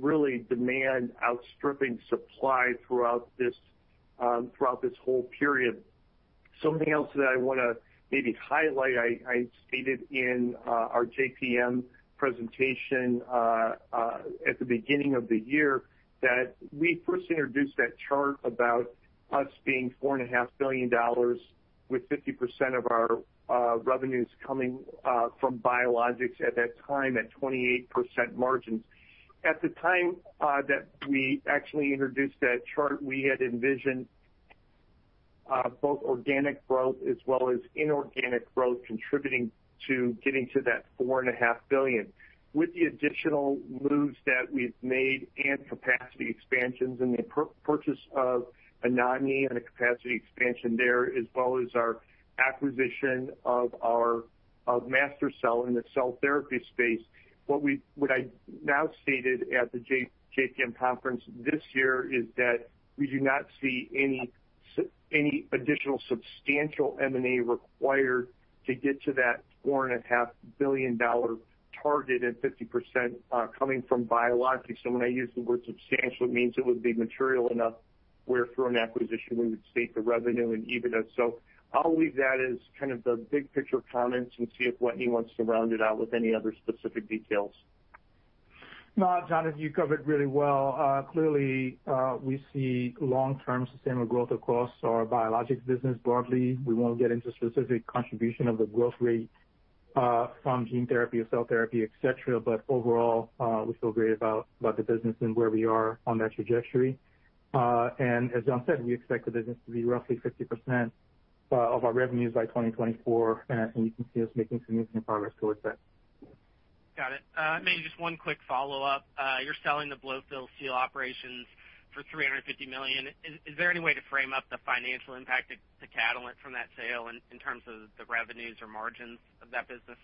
really demand outstripping supply throughout this whole period. Something else that I want to maybe highlight, I stated in our JPM presentation, at the beginning of the year that we first introduced that chart about us being $4.5 billion with 50% of our revenues coming from Biologics at that time at 28% margins. At the time that we actually introduced that chart, we had envisioned both organic growth as well as inorganic growth contributing to getting to that $4.5 billion. With the additional moves that we've made and capacity expansions and the purchase of Anagni and a capacity expansion there, as well as our acquisition of MaSTherCell in the cell therapy space. What I now stated at the JPM conference this year is that we do not see any additional substantial M&A required to get to that $4.5 billion target and 50% coming from Biologics. When I use the word substantial, it means it would be material enough where through an acquisition, we would state the revenue and EBITDA. I'll leave that as kind of the big-picture comments and see if Wetteny wants to round it out with any other specific details. No, John, I think you covered really well. Clearly, we see long-term sustainable growth across our Biologics business broadly. We won't get into specific contribution of the growth rate from gene therapy or cell therapy, et cetera. Overall, we feel great about the business and where we are on that trajectory. As John said, we expect the business to be roughly 50% of our revenues by 2024, and you can see us making significant progress towards that. Got it. Maybe just one quick follow-up. You're selling the blow-fill-seal operations for $350 million. Is there any way to frame up the financial impact to Catalent from that sale in terms of the revenues or margins of that business?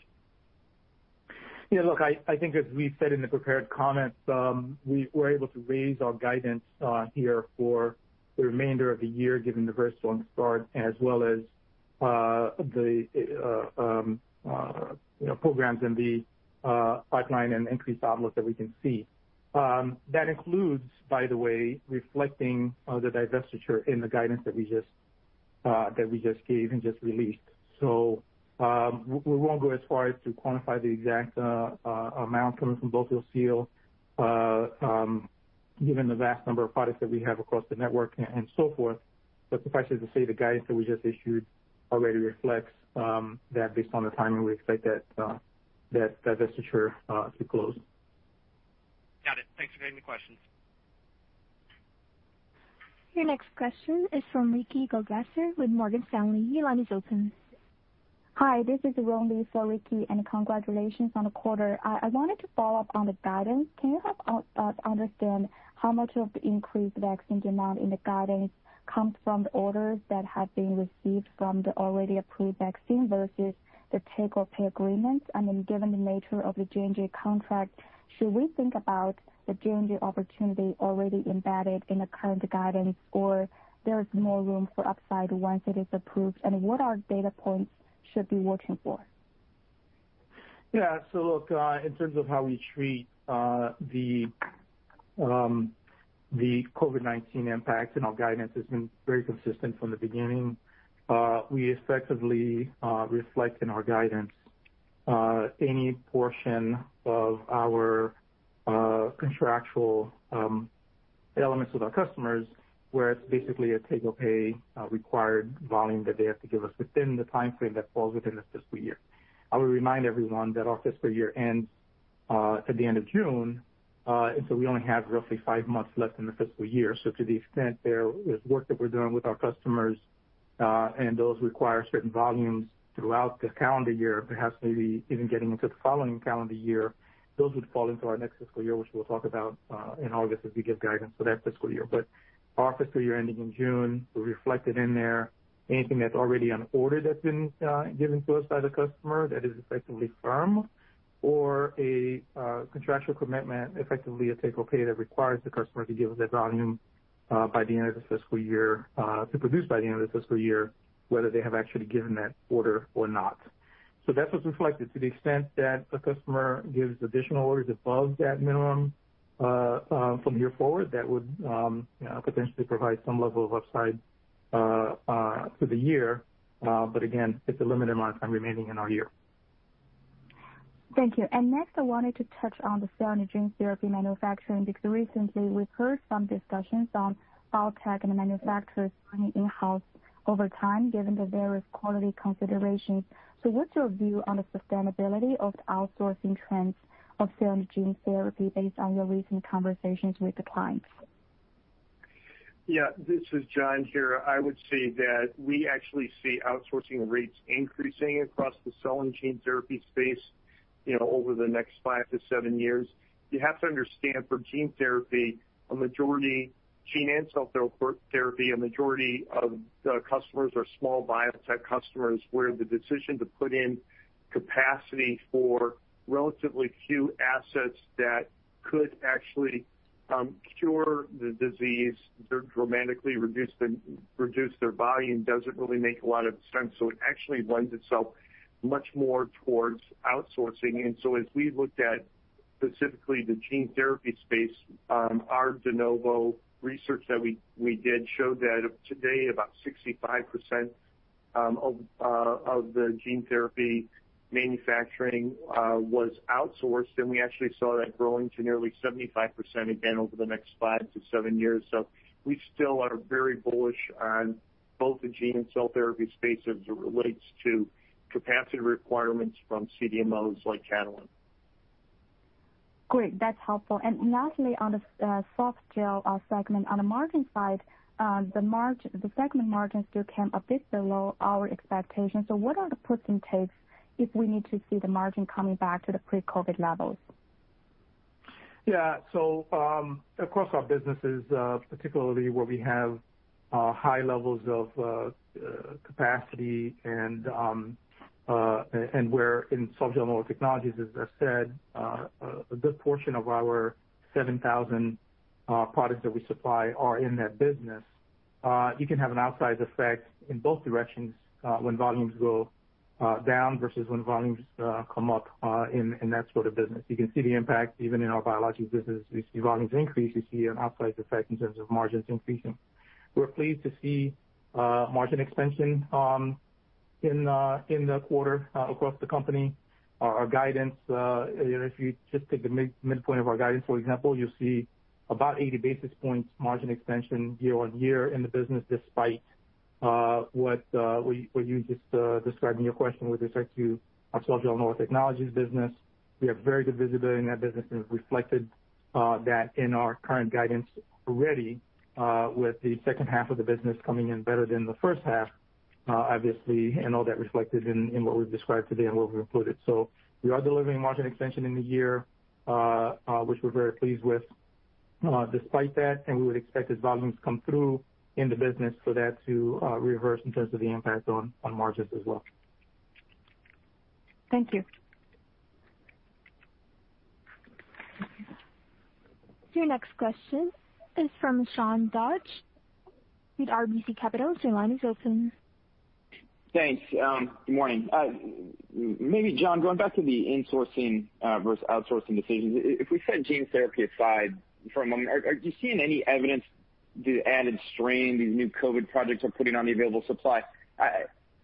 Yeah, look, I think as we said in the prepared comments, we were able to raise our guidance here for the remainder of the year, given the very strong start as well as the programs in the pipeline and increased outlook that we can see. That includes, by the way, reflecting the divestiture in the guidance that we just gave and just released. We won't go as far as to quantify the exact amount coming from blow-fill-seal given the vast number of products that we have across the network and so forth. Suffice it to say, the guidance that we just issued already reflects that based on the timing we expect that divestiture to close. Got it, thanks for taking the questions. Your next question is from Ricky Goldwasser with Morgan Stanley. Your line is open. Hi, this is Rongi for Ricky, and congratulations on the quarter. I wanted to follow up on the guidance. Can you help us understand how much of the increased vaccine demand in the guidance comes from the orders that have been received from the already approved vaccine versus the take-or-pay agreements? Given the nature of the J&J contract, should we think about the J&J opportunity already embedded in the current guidance or there is more room for upside once it is approved? What are data points should be watching for? Yeah. Look, in terms of how we treat the COVID-19 impact and our guidance has been very consistent from the beginning. We effectively reflect in our guidance any portion of our contractual elements with our customers, where it's basically a take-or-pay required volume that they have to give us within the time frame that falls within the fiscal year. I would remind everyone that our fiscal year ends at the end of June, we only have roughly five months left in the fiscal year. To the extent there is work that we're doing with our customers, and those require certain volumes throughout the calendar year, perhaps, maybe even getting into the following calendar year, those would fall into our next fiscal year, which we'll talk about in August as we give guidance for that fiscal year. Our fiscal year ending in June, we reflected in there anything that's already on order that's been given to us by the customer that is effectively firm or a contractual commitment, effectively a take-or-pay that requires the customer to give the volume to produce by the end of the fiscal year, whether they have actually given that order or not. That's what's reflected to the extent that a customer gives additional orders above that minimum from here forward, that would potentially provide some level of upside to the year. Again, it's a limited amount of time remaining in our year. Thank you. Next, I wanted to touch on the cell and gene therapy manufacturing, because recently we've heard some discussions on biotech and manufacturers running in-house over time given the various quality considerations. What's your view on the sustainability of the outsourcing trends of cell and gene therapy based on your recent conversations with the clients? Yeah, this is John here. I would say that we actually see outsourcing rates increasing across the cell and gene therapy space over the next 5-7 years. You have to understand, for gene and cell therapy, a majority of the customers are small biotech customers, where the decision to put in capacity for relatively few assets that could actually cure the disease or dramatically reduce their volume doesn't really make a lot of sense. It actually lends itself much more towards outsourcing. As we looked at, specifically the gene therapy space, our research that we did showed that today about 65% of the gene therapy manufacturing was outsourced, and we actually saw that growing to nearly 75% again over the next 5-7 years. We still are very bullish on both the gene and cell therapy space as it relates to capacity requirements from CDMOs like Catalent. Great, that's helpful. Lastly, on the softgel segment. On the margin side, the segment margin still came a bit below our expectations. What are the puts and takes if we need to see the margin coming back to the pre-COVID levels? Yeah. Across our businesses, particularly where we have high levels of capacity and where in Softgel and Oral Technologies, as I said, a good portion of our 7,000 products that we supply are in that business You can have an outsized effect in both directions when volumes go down versus when volumes come up in that sort of business. You can see the impact even in our Biologics business. We see volumes increase, we see an outsized effect in terms of margins increasing. We're pleased to see margin expansion in the quarter across the company. Our guidance, if you just take the midpoint of our guidance, for example, you'll see about 80 basis points margin expansion year-on-year in the business, despite what you just described in your question with respect to our cell and gene technologies business. We have very good visibility in that business, and we've reflected that in our current guidance already, with the second half of the business coming in better than the first half, obviously, and all that reflected in what we've described today and what we've included. We are delivering margin expansion in the year, which we're very pleased with despite that, and we would expect as volumes come through in the business for that to reverse in terms of the impact on margins as well. Thank you. Your next question is from Sean Dodge with RBC Capital. Your line is open. Thanks. Good morning. Maybe, John, going back to the insourcing versus outsourcing decisions, if we set gene therapy aside for a moment, are you seeing any evidence the added strain these new COVID-19 projects are putting on the available supply?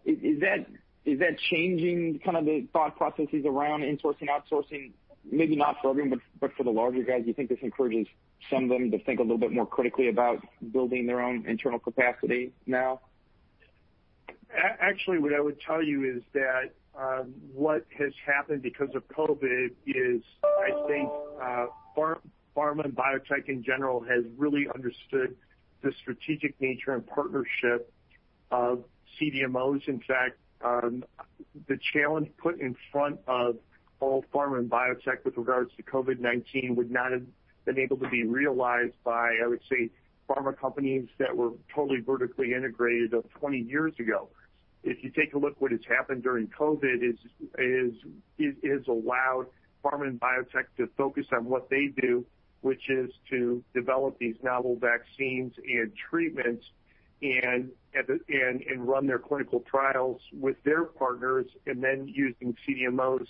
Is that changing kind of the thought processes around insourcing, outsourcing? Maybe not for everyone, but for the larger guys, do you think this encourages some of them to think a little bit more critically about building their own internal capacity now? Actually, what I would tell you is that what has happened because of COVID is I think pharma and biotech in general has really understood the strategic nature and partnership of CDMOs. In fact, the challenge put in front of all pharma and biotech with regards to COVID-19 would not have been able to be realized by, I would say, pharma companies that were totally vertically integrated of 20 years ago. If you take a look, what has happened during COVID is it has allowed pharma and biotech to focus on what they do, which is to develop these novel vaccines and treatments and run their clinical trials with their partners, and then using CDMOs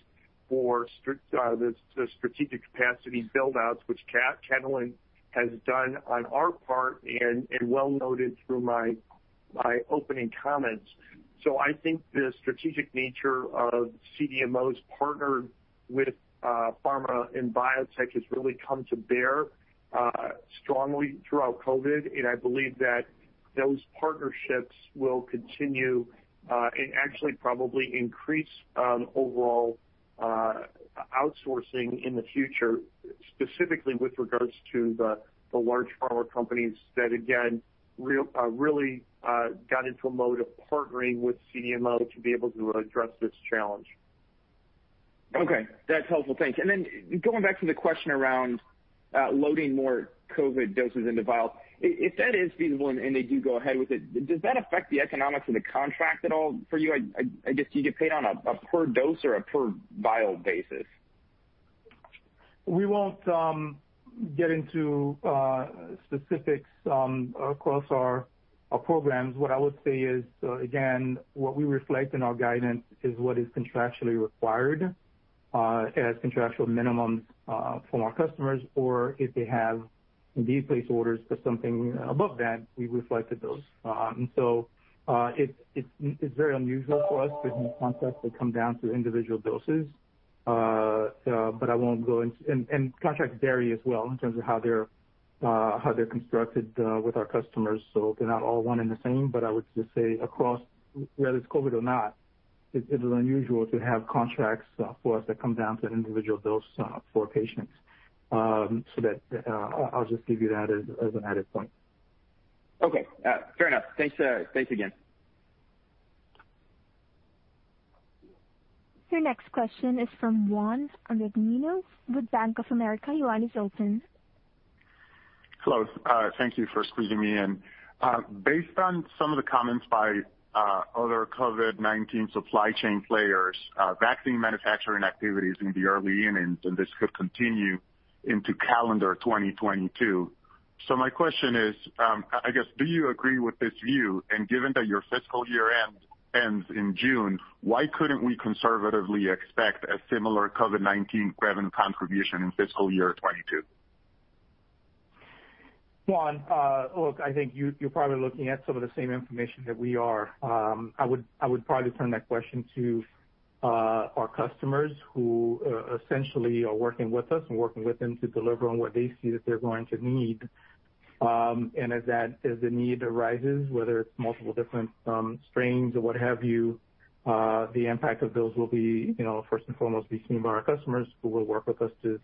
for the strategic capacity build-outs, which Catalent has done on our part and well noted through my opening comments. I think the strategic nature of CDMOs partnered with pharma and biotech has really come to bear strongly throughout COVID, and I believe that those partnerships will continue and actually probably increase overall outsourcing in the future, specifically with regards to the large pharma companies that again, really got into a mode of partnering with CDMO to be able to address this challenge. Okay, that's helpful thanks. Then going back to the question around loading more COVID doses into vials. If that is feasible and they do go ahead with it, does that affect the economics of the contract at all for you? I guess, do you get paid on a per dose or a per vial basis? We won't get into specifics across our programs. What I would say is, again, what we reflect in our guidance is what is contractually required as contractual minimums from our customers, or if they have indeed placed orders for something above that, we reflected those. It's very unusual for us to have contracts that come down to individual doses. Contracts vary as well in terms of how they're constructed with our customers, so they're not all one and the same. I would just say across, whether it's COVID or not, it is unusual to have contracts for us that come down to an individual dose for patients. I'll just give you that as an added point. Okay, fair enough. Thanks again. Your next question is from Juan Avendano with Bank of America. Your line is open. Hello. Thank you for squeezing me in. Based on some of the comments by other COVID-19 supply chain players, vaccine manufacturing activities will be early innings, and this could continue into calendar 2022. My question is, I guess, do you agree with this view? Given that your fiscal year ends in June, why couldn't we conservatively expect a similar COVID-19 revenue contribution in fiscal year 2022? Juan, look, I think you're probably looking at some of the same information that we are. I would probably turn that question to our customers who essentially are working with us and working with them to deliver on what they see that they're going to need. As the need arises, whether it's multiple different strains or what have you, the impact of those will first and foremost be seen by our customers who will work with us to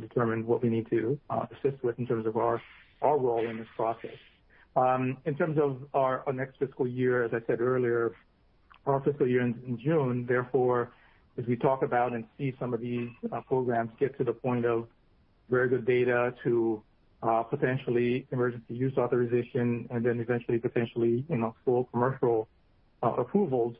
determine what we need to assist with in terms of our role in this process. In terms of our next fiscal year, as I said earlier, our fiscal year ends in June. As we talk about and see some of these programs get to the point of very good data to potentially emergency use authorization and then eventually potentially full commercial approvals,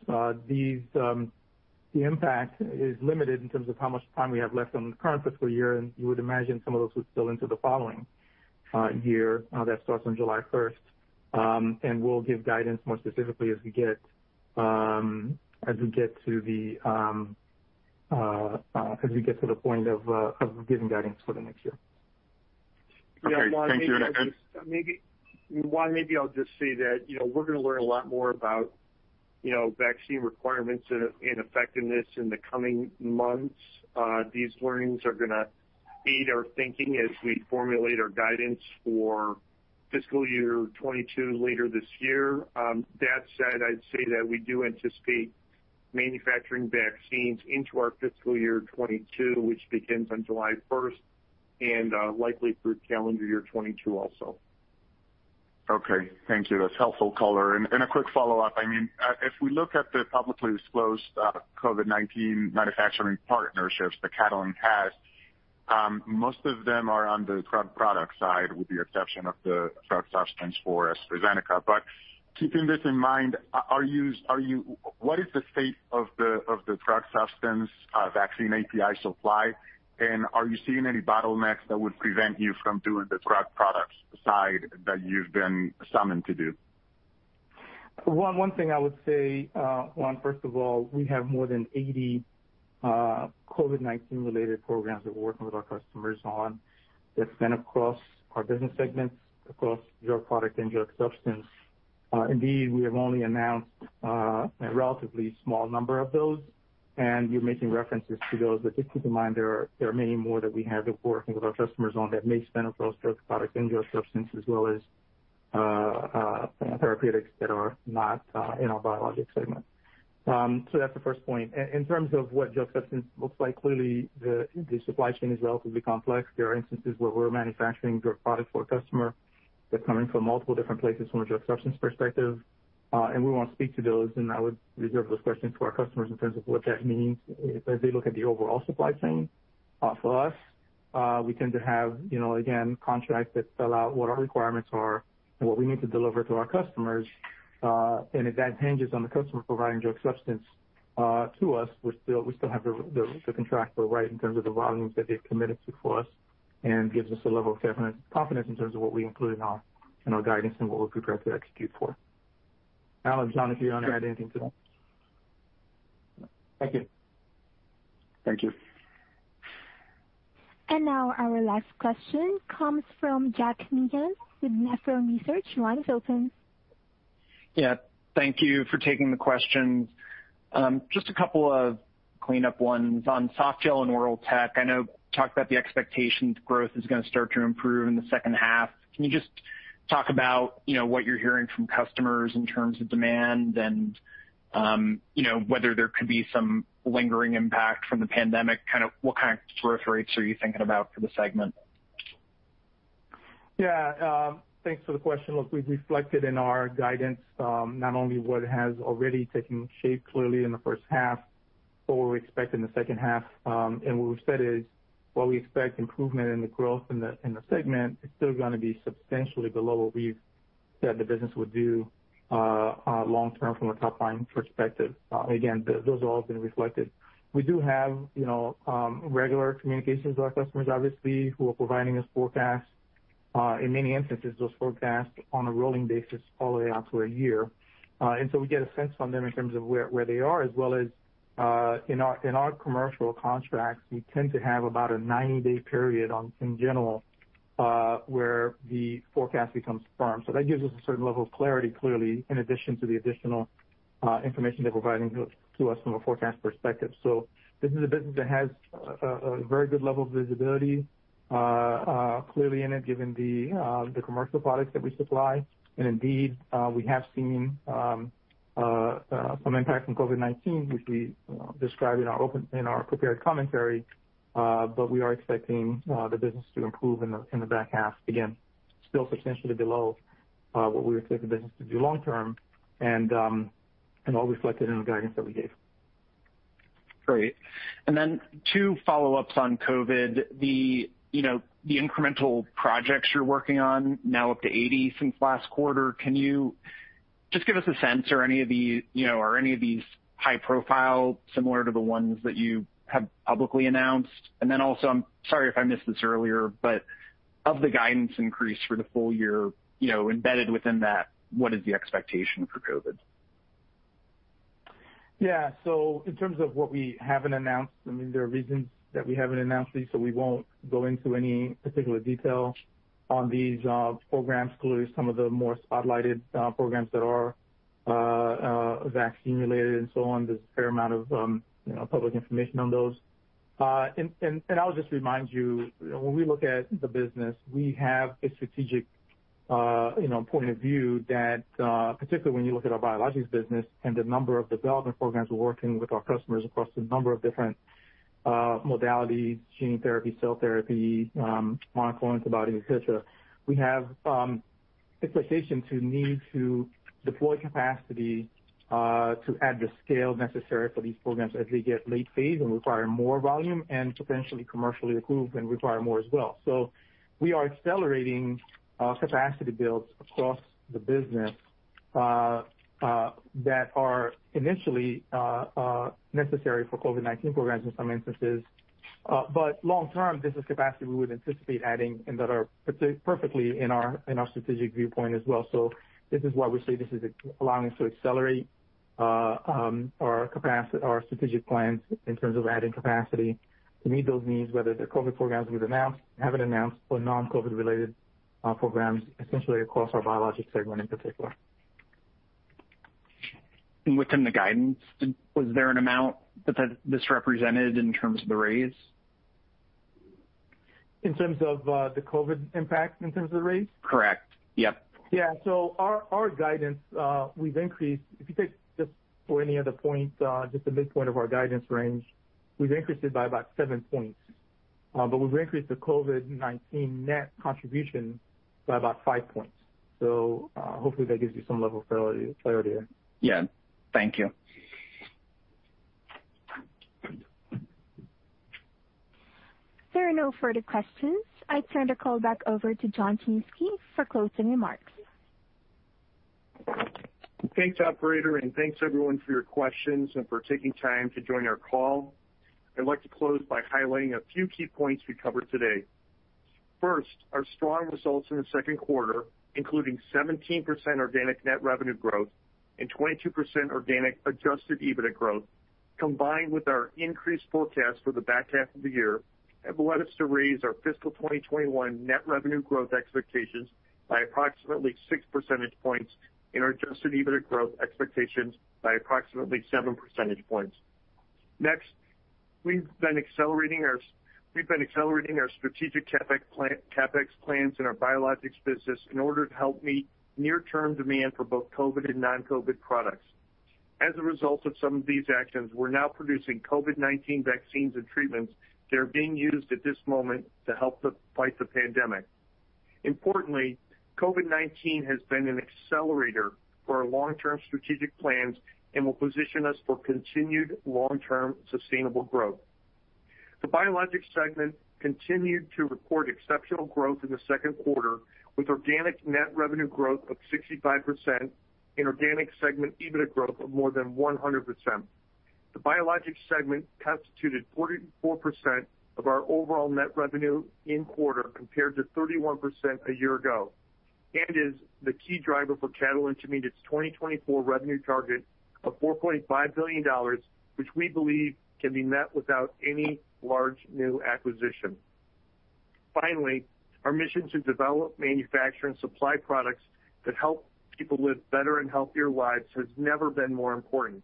these The impact is limited in terms of how much time we have left on the current fiscal year. You would imagine some of those would spill into the following year that starts on July 1st. We'll give guidance more specifically as we get to the point of giving guidance for the next year. Okay, thank you. Juan, maybe I'll just say that we're going to learn a lot more about vaccine requirements and effectiveness in the coming months. These learnings are going to aid our thinking as we formulate our guidance for fiscal year 2022 later this year. That said, I'd say that we do anticipate manufacturing vaccines into our fiscal year 2022, which begins on July 1st, and likely through calendar year 2022 also. Okay, thank you. That's helpful color. A quick follow-up, if we look at the publicly disclosed COVID-19 manufacturing partnerships that Catalent has, most of them are on the drug product side, with the exception of the drug substance for AstraZeneca. Keeping this in mind, what is the state of the drug substance vaccine API supply, and are you seeing any bottlenecks that would prevent you from doing the drug products side that you've been summoned to do? One thing I would say, Juan, first of all, we have more than 80 COVID-19-related programs that we're working with our customers on that span across our business segments, across drug product and drug substance. We have only announced a relatively small number of those, and you're making references to those. Just keep in mind, there are many more that we have that we're working with our customers on that may span across drug product and drug substance, as well as therapeutics that are not in our Biologics segment. That's the first point. In terms of what drug substance looks like, clearly the supply chain is relatively complex. There are instances where we're manufacturing drug product for a customer that's coming from multiple different places from a drug substance perspective, and we won't speak to those, and I would reserve those questions for our customers in terms of what that means as they look at the overall supply chain. For us, we tend to have, again, contracts that spell out what our requirements are and what we need to deliver to our customers. If that hinges on the customer providing drug substance to us, we still have the contractual right in terms of the volumes that they've committed to for us and gives us a level of confidence in terms of what we include in our guidance and what we're prepared to execute for. Alan, John, if you want to add anything to that. No. Thank you. Thank you. Now our last question comes from Jack Meehan with Nephron Research. Your line is open. Yeah, thank you for taking the questions. Just a couple of cleanup ones. On Softgel and Oral Tech, I know you talked about the expectation that growth is going to start to improve in the second half. Can you just talk about what you're hearing from customers in terms of demand and whether there could be some lingering impact from the pandemic? What kind of growth rates are you thinking about for the segment? Yeah. Thanks for the question. Look, we've reflected in our guidance not only what has already taken shape clearly in the first half, but what we expect in the second half. What we've said is, while we expect improvement in the growth in the segment, it's still going to be substantially below what we've said the business would do long term from a top-line perspective. Again, those have all been reflected. We do have regular communications with our customers, obviously, who are providing us forecasts. In many instances, those forecasts on a rolling basis all the way out to a year. We get a sense from them in terms of where they are as well as in our commercial contracts, we tend to have about a 90-day period in general, where the forecast becomes firm. That gives us a certain level of clarity, clearly, in addition to the additional information they're providing to us from a forecast perspective. This is a business that has a very good level of visibility clearly in it, given the commercial products that we supply. Indeed, we have seen some impact from COVID-19, which we described in our prepared commentary, but we are expecting the business to improve in the back half. Again, still substantially below what we expect the business to do long term and all reflected in the guidance that we gave. Great. Two follow-ups on COVID. The incremental projects you're working on, now up to 80 since last quarter, can you just give us a sense, are any of these high profile, similar to the ones that you have publicly announced? Also, I'm sorry if I missed this earlier, but of the guidance increase for the full year, embedded within that, what is the expectation for COVID? Yeah. In terms of what we haven't announced, there are reasons that we haven't announced these, so we won't go into any particular detail on these programs. Clearly, some of the more spotlighted programs that are vaccine-related and so on, there's a fair amount of public information on those. I'll just remind you, when we look at the business, we have a strategic point of view that, particularly when you look at our Biologics business and the number of development programs we're working with our customers across a number of different modalities, gene therapy, cell therapy, monoclonal antibody, et cetera, we have expectations to need to deploy capacity to add the scale necessary for these programs as they get late phase and require more volume and potentially commercially approved and require more as well. We are accelerating capacity builds across the business that are initially necessary for COVID-19 programs in some instances. Long term, this is capacity we would anticipate adding and that are perfectly in our strategic viewpoint as well. This is why we say this is allowing us to accelerate our strategic plans in terms of adding capacity to meet those needs, whether they're COVID programs we've announced, haven't announced, or non-COVID related programs, essentially across our Biologics segment in particular. Within the guidance, was there an amount that this represented in terms of the raise? In terms of the COVID impact in terms of the raise? Correct. Yep. Yeah. Our guidance, we've increased, if you take just for any other point, just the midpoint of our guidance range, we've increased it by about 7 points. We've increased the COVID-19 net contribution by about five points. Hopefully that gives you some level of clarity there. Yeah. Thank you. There are no further questions. I turn the call back over to John Chiminski for closing remarks. Thanks, operator, thanks everyone for your questions and for taking time to join our call. I'd like to close by highlighting a few key points we covered today. First, our strong results in the second quarter, including 17% organic net revenue growth and 22% organic adjusted EBITDA growth, combined with our increased forecast for the back half of the year have led us to raise our fiscal 2021 net revenue growth expectations by approximately 6 percentage points and our adjusted EBITDA growth expectations by approximately 7 percentage points. Next, we've been accelerating our strategic CapEx plans in our Biologics business in order to help meet near-term demand for both COVID and non-COVID products. As a result of some of these actions, we're now producing COVID-19 vaccines and treatments that are being used at this moment to help fight the pandemic. Importantly, COVID-19 has been an accelerator for our long-term strategic plans and will position us for continued long-term sustainable growth. The Biologics segment continued to report exceptional growth in the second quarter, with organic net revenue growth of 65% and organic segment EBITDA growth of more than 100%. The Biologics segment constituted 44% of our overall net revenue in quarter, compared to 31% a year ago. Is the key driver for Catalent to meet its 2024 revenue target of $4.5 billion, which we believe can be met without any large new acquisition. Finally, our mission to develop, manufacture, and supply products that help people live better and healthier lives has never been more important.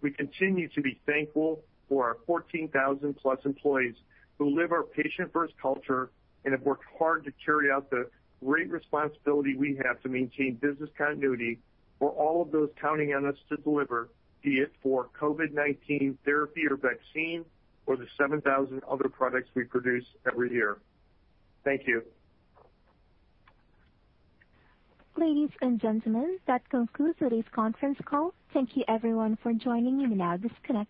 We continue to be thankful for our 14,000+ employees who live our patient first culture and have worked hard to carry out the great responsibility we have to maintain business continuity for all of those counting on us to deliver, be it for COVID-19 therapy or vaccine or the 7,000 other products we produce every year. Thank you. Ladies and gentlemen, that concludes today's conference call. Thank you everyone for joining. You may now disconnect.